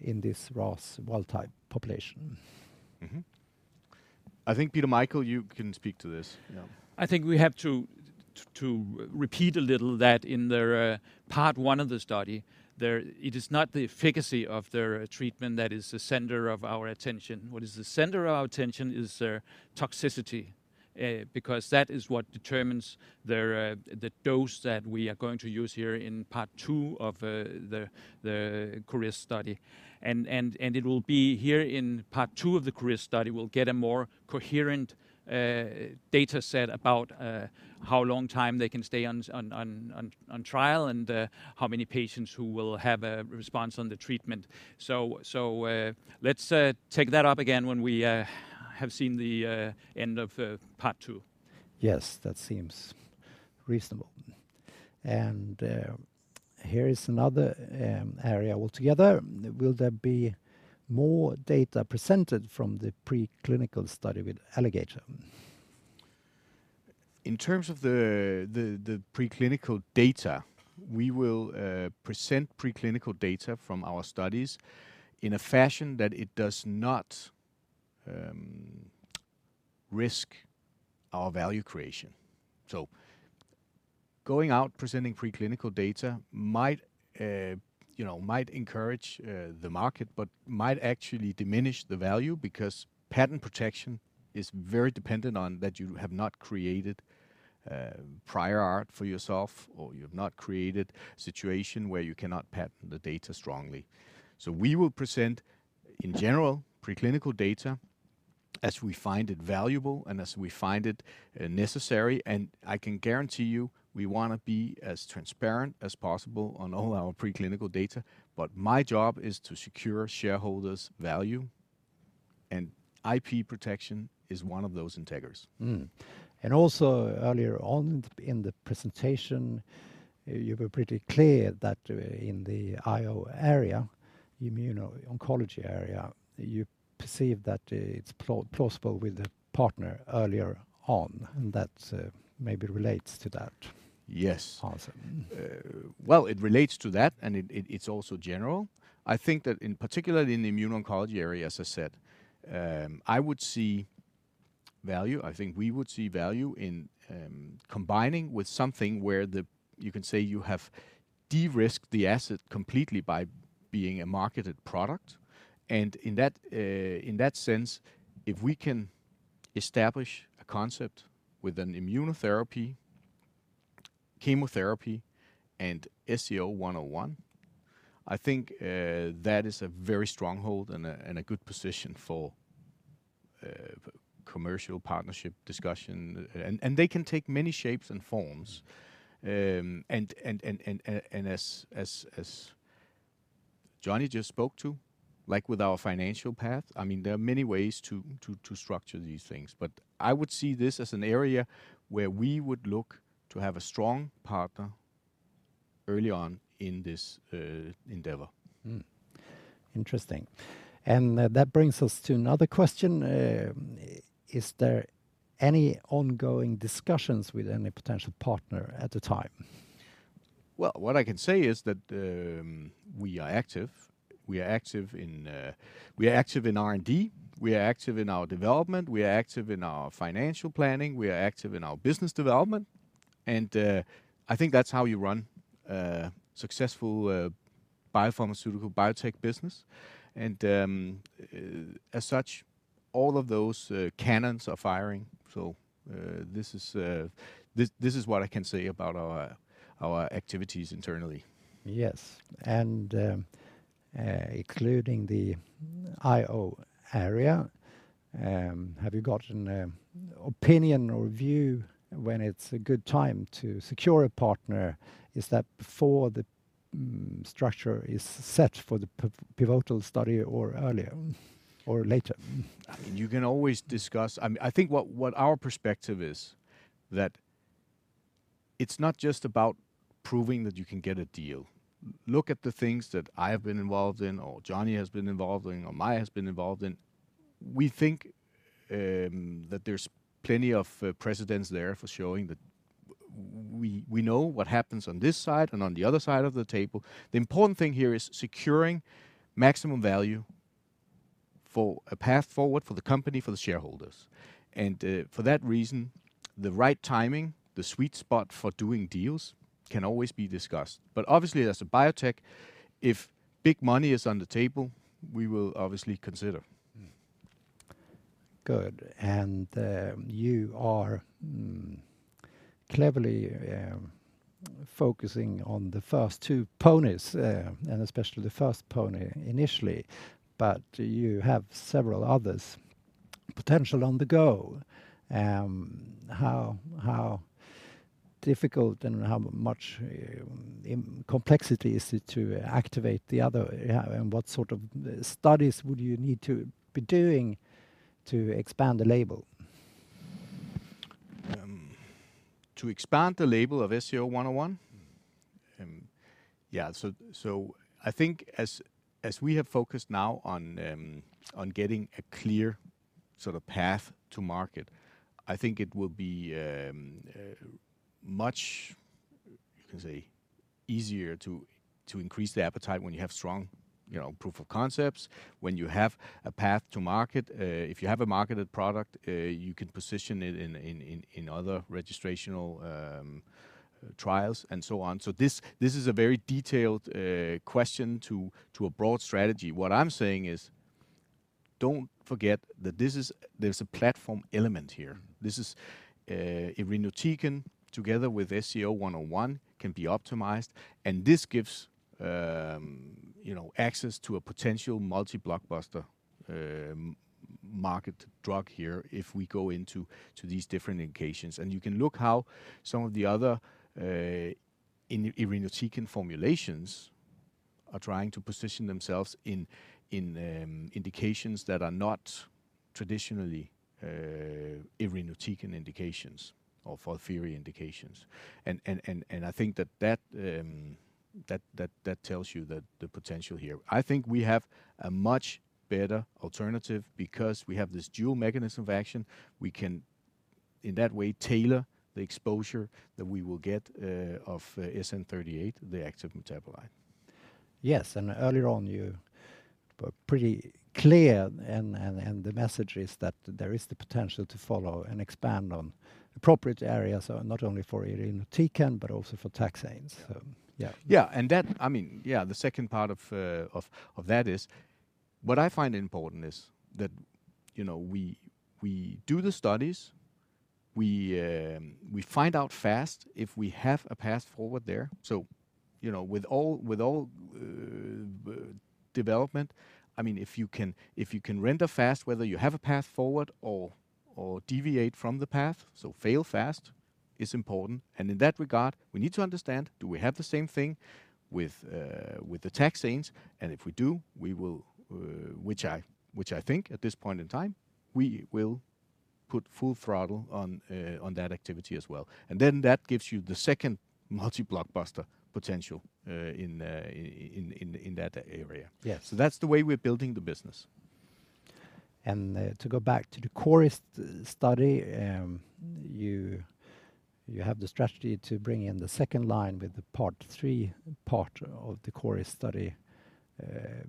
Speaker 1: in this RAS wild-type population?
Speaker 2: Mm-hmm. I think Peter Michael, you can speak to this.
Speaker 4: I think we have to repeat a little that in their Part 1 of the study, it is not the efficacy of their treatment that is the center of our attention. What is the center of our attention is their toxicity, because that is what determines the dose that we are going to use here in Part 2 of the CORIST study. It will be here in Part 2 of the CORIST study, we'll get a more coherent data set about how long time they can stay on trial and how many patients who will have a response on the treatment. Let's take that up again when we have seen the end of Part II.
Speaker 1: Yes, that seems reasonable. Here is another area altogether. Will there be more data presented from the pre-clinical study with Alligator?
Speaker 2: In terms of the pre-clinical data, we will present pre-clinical data from our studies in a fashion that it does not risk our value creation. Going out presenting pre-clinical data might encourage the market, but might actually diminish the value because patent protection is very dependent on that you have not created prior art for yourself, or you have not created a situation where you cannot patent the data strongly. We will present, in general, pre-clinical data as we find it valuable and as we find it necessary, and I can guarantee you, we want to be as transparent as possible on all our pre-clinical data. My job is to secure shareholders' value, and IP protection is one of those integrals.
Speaker 1: Also earlier on in the presentation, you were pretty clear that in the IO area, immuno-oncology area, you perceive that it's plausible with a partner earlier on, and that maybe relates to that.
Speaker 2: Yes.
Speaker 1: Awesome.
Speaker 2: Well, it relates to that, and it's also general. I think that in particular in the immuno-oncology area, as I said, I would see value, I think we would see value in combining with something where you can say you have de-risked the asset completely by being a marketed product. In that sense, if we can establish a concept with an immunotherapy, chemotherapy, and SCO-101, I think that is a very stronghold and a good position for commercial partnership discussion, and they can take many shapes and forms. As Johnny just spoke to, like with our financial path, there are many ways to structure these things. I would see this as an area where we would look to have a strong partner early on in this endeavor.
Speaker 1: Interesting. That brings us to another question. Is there any ongoing discussions with any potential partner at the time?
Speaker 2: Well, what I can say is that we are active. We are active in R&D, we are active in our development, we are active in our financial planning, we are active in our business development, and I think that's how you run a successful biopharmaceutical, biotech business. As such, all of those cannons are firing. This is what I can say about our activities internally.
Speaker 1: Yes, including the IO area, have you got an opinion or view when it's a good time to secure a partner? Is that before the structure is set for the pivotal study or earlier or later?
Speaker 2: You can always discuss. I think what our perspective is that it's not just about proving that you can get a deal. Look at the things that I have been involved in or Johnny Stilou has been involved in or Maj has been involved in. We think that there's plenty of precedents there for showing that we know what happens on this side and on the other side of the table. The important thing here is securing maximum value for a path forward for the company, for the shareholders. For that reason. The right timing, the sweet spot for doing deals can always be discussed. Obviously as a biotech, if big money is on the table, we will obviously consider.
Speaker 1: Good. You are cleverly focusing on the first two ponies, and especially the first pony initially, but you have several others potential on the go. How difficult and how much complexity is it to activate the other, and what sort of studies would you need to be doing to expand the label?
Speaker 2: To expand the label of SCO-101? Yeah. I think as we have focused now on getting a clear path to market, I think it will be much easier to increase the appetite when you have strong proof of concepts, when you have a path to market. If you have a marketed product, you can position it in other registrational trials and so on. This is a very detailed question to a broad strategy. What I'm saying is, don't forget that there's a platform element here. Irinotecan together with SCO-101 can be optimized, and this gives access to a potential multi-blockbuster market drug here if we go into these different indications. You can look how some of the other irinotecan formulations are trying to position themselves in indications that are not traditionally irinotecan indications or FOLFIRI indications. I think that tells you the potential here. I think we have a much better alternative because we have this dual mechanism of action. We can, in that way, tailor the exposure that we will get of SN-38, the active metabolite.
Speaker 1: Yes, earlier on you were pretty clear, and the message is that there is the potential to follow and expand on appropriate areas, not only for irinotecan but also for taxanes.
Speaker 2: Yeah.
Speaker 1: Yeah.
Speaker 2: The second part of that is, what I find important is that we do the studies, we find out fast if we have a path forward there. With all development, if you can render fast whether you have a path forward or deviate from the path, so fail fast is important. In that regard, we need to understand, do we have the same thing with the taxanes? If we do, which I think at this point in time, we will put full throttle on that activity as well. That gives you the second multi-blockbuster potential in that area.
Speaker 1: Yes.
Speaker 2: That's the way we're building the business.
Speaker 1: To go back to the CORIST study, you have the strategy to bring in the second line with the part III part of the CORIST study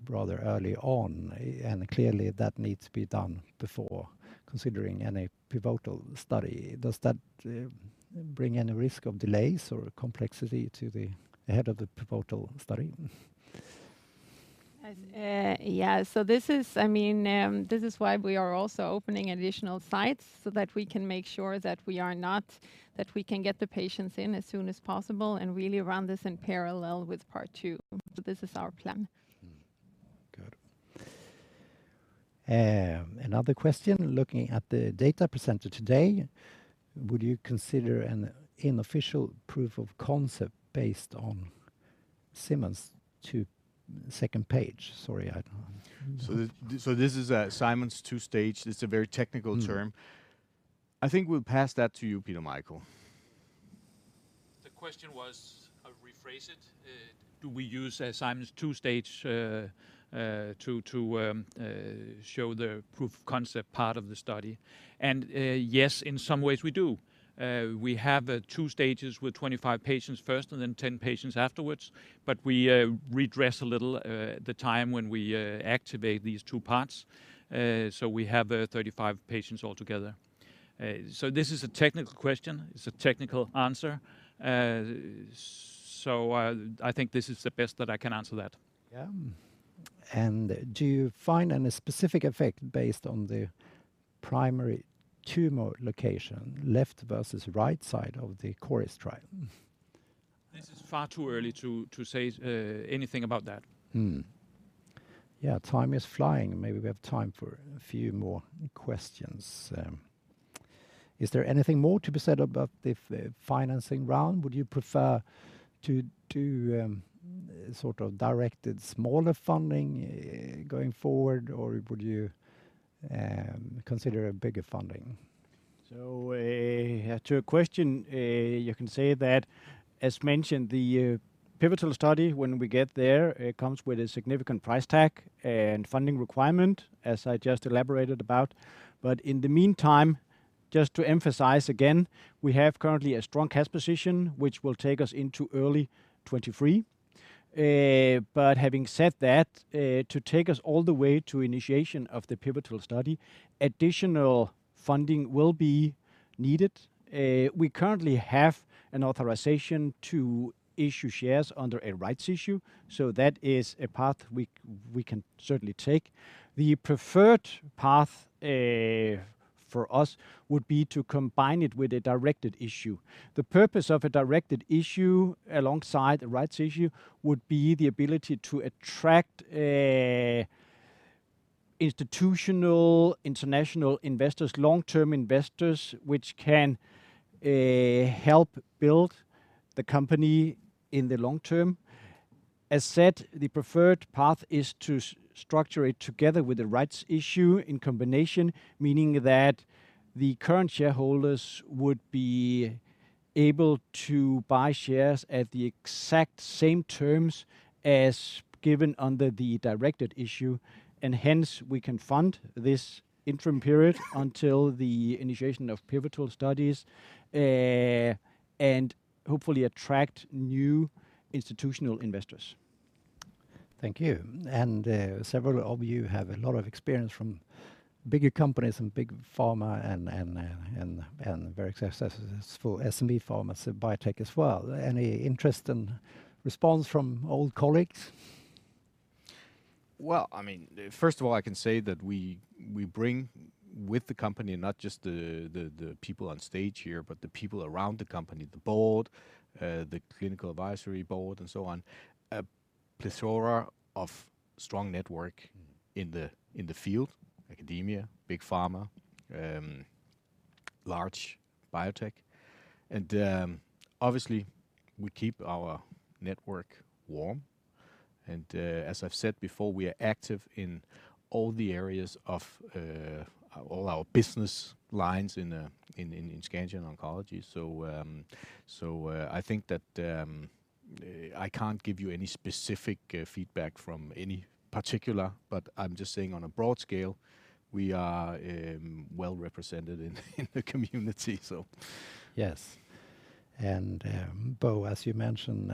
Speaker 1: rather early on. Clearly that needs to be done before considering any pivotal study. Does that bring any risk of delays or complexity to the head of the pivotal study?
Speaker 3: Yeah. This is why we are also opening additional sites so that we can make sure that we can get the patients in as soon as possible and really run this in parallel with part two. This is our plan.
Speaker 1: Good. Another question, looking at the data presented today, would you consider an unofficial proof of concept based on Simon's two-stage? Sorry.
Speaker 2: This is Simon's two-stage. It's a very technical term. I think we'll pass that to you, Peter Michael.
Speaker 4: The question was, I'll rephrase it, do we use Simon's two-stage to show the proof of concept part of the study? Yes, in some ways we do. We have two stages with 25 patients first and then 10 patients afterwards, but we redress a little the time when we activate these two parts. We have 35 patients altogether. This is a technical question, it's a technical answer. I think this is the best that I can answer that.
Speaker 1: Yeah. Do you find any specific effect based on the primary tumor location, left versus right side of the CORIST trial?
Speaker 4: This is far too early to say anything about that.
Speaker 1: Yeah. Time is flying. Maybe we have time for a few more questions. Is there anything more to be said about the financing round? Would you prefer to do sort of directed smaller funding going forward, or would you consider a bigger funding?
Speaker 5: To your question, you can say that, as mentioned, the pivotal study, when we get there, it comes with a significant price tag and funding requirement, as I just elaborated about. In the meantime. Just to emphasize again, we have currently a strong cash position, which will take us into early 2023. Having said that, to take us all the way to initiation of the pivotal study, additional funding will be needed. We currently have an authorization to issue shares under a rights issue, so that is a path we can certainly take. The preferred path for us would be to combine it with a directed issue. The purpose of a directed issue alongside the rights issue would be the ability to attract institutional, international investors, long-term investors, which can help build the company in the long term. As said, the preferred path is to structure it together with a rights issue in combination, meaning that the current shareholders would be able to buy shares at the exact same terms as given under the directed issue, and hence we can fund this interim period until the initiation of pivotal studies, and hopefully attract new institutional investors.
Speaker 1: Thank you. Several of you have a lot of experience from bigger companies and big pharma and very successful SME pharmas, biotech as well. Any interest and response from old colleagues?
Speaker 2: Well, first of all, I can say that we bring with the company, not just the people on stage here, but the people around the company, the board, the Clinical Advisory Board, and so on, a plethora of strong network in the field, academia, big pharma, large biotech. Obviously, we keep our network warm. As I've said before, we are active in all our business lines in Scandion Oncology. I think that I can't give you any specific feedback from any particular, but I'm just saying on a broad scale, we are well-represented in the community.
Speaker 1: Yes. Bo, as you mentioned,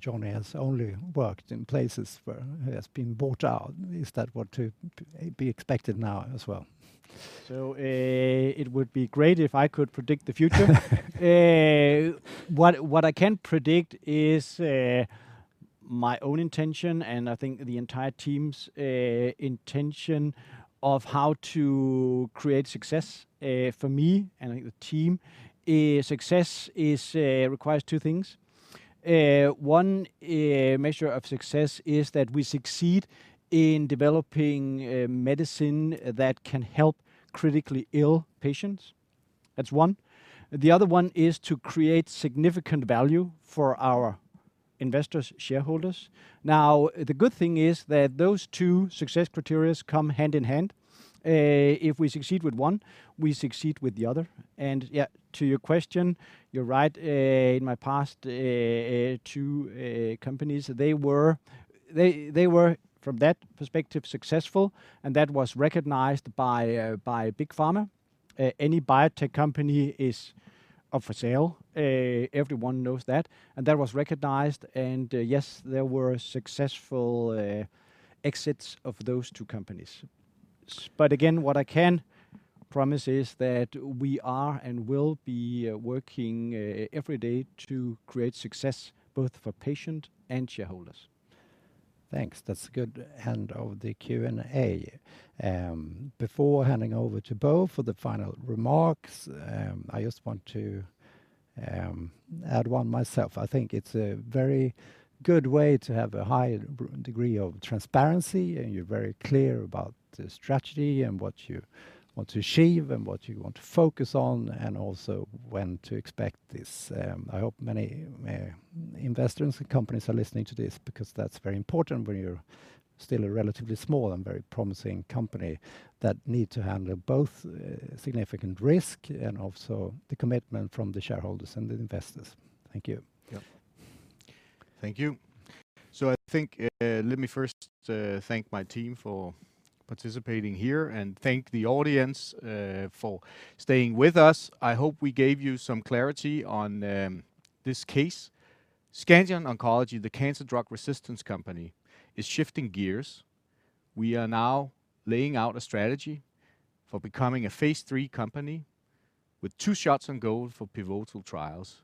Speaker 1: Johnny has only worked in places where he has been bought out. Is that what to be expected now as well?
Speaker 5: It would be great if I could predict the future. What I can predict is my own intention, and I think the entire team's intention of how to create success. For me, and I think the team, success requires two things. One measure of success is that we succeed in developing medicine that can help critically ill patients. That's one. The other one is to create significant value for our investors, shareholders. Now, the good thing is that those two success criteria come hand in hand. If we succeed with one, we succeed with the other. Yet to your question, you're right. In my past two companies, they were from that perspective successful, and that was recognized by big pharma. Any biotech company is up for sale. Everyone knows that. That was recognized, and yes, there were successful exits of those two companies. Again, what I can promise is that we are and will be working every day to create success, both for patient and shareholders.
Speaker 1: Thanks. That's a good end of the Q&A. Before handing over to Bo for the final remarks, I just want to add one myself. I think it's a very good way to have a high degree of transparency, and you're very clear about the strategy and what you want to achieve and what you want to focus on, and also when to expect this. I hope many investors and companies are listening to this because that's very important when you're still a relatively small and very promising company that need to handle both significant risk and also the commitment from the shareholders and the investors. Thank you.
Speaker 2: Thank you. I think let me first thank my team for participating here, and thank the audience for staying with us. I hope we gave you some clarity on this case. Scandion Oncology, the cancer drug resistance company, is shifting gears. We are now laying out a strategy for becoming a phase III company with two shots on goal for pivotal trials.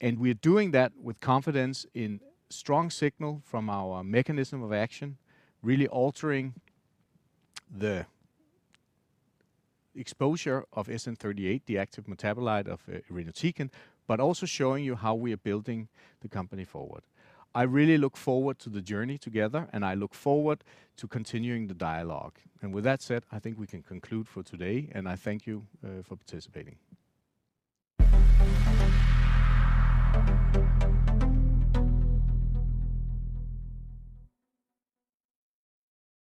Speaker 2: We are doing that with confidence in strong signal from our mechanism of action, really altering the exposure of SN-38, the active metabolite of irinotecan, but also showing you how we are building the company forward. I really look forward to the journey together, and I look forward to continuing the dialogue. With that said, I think we can conclude for today, and I thank you for participating.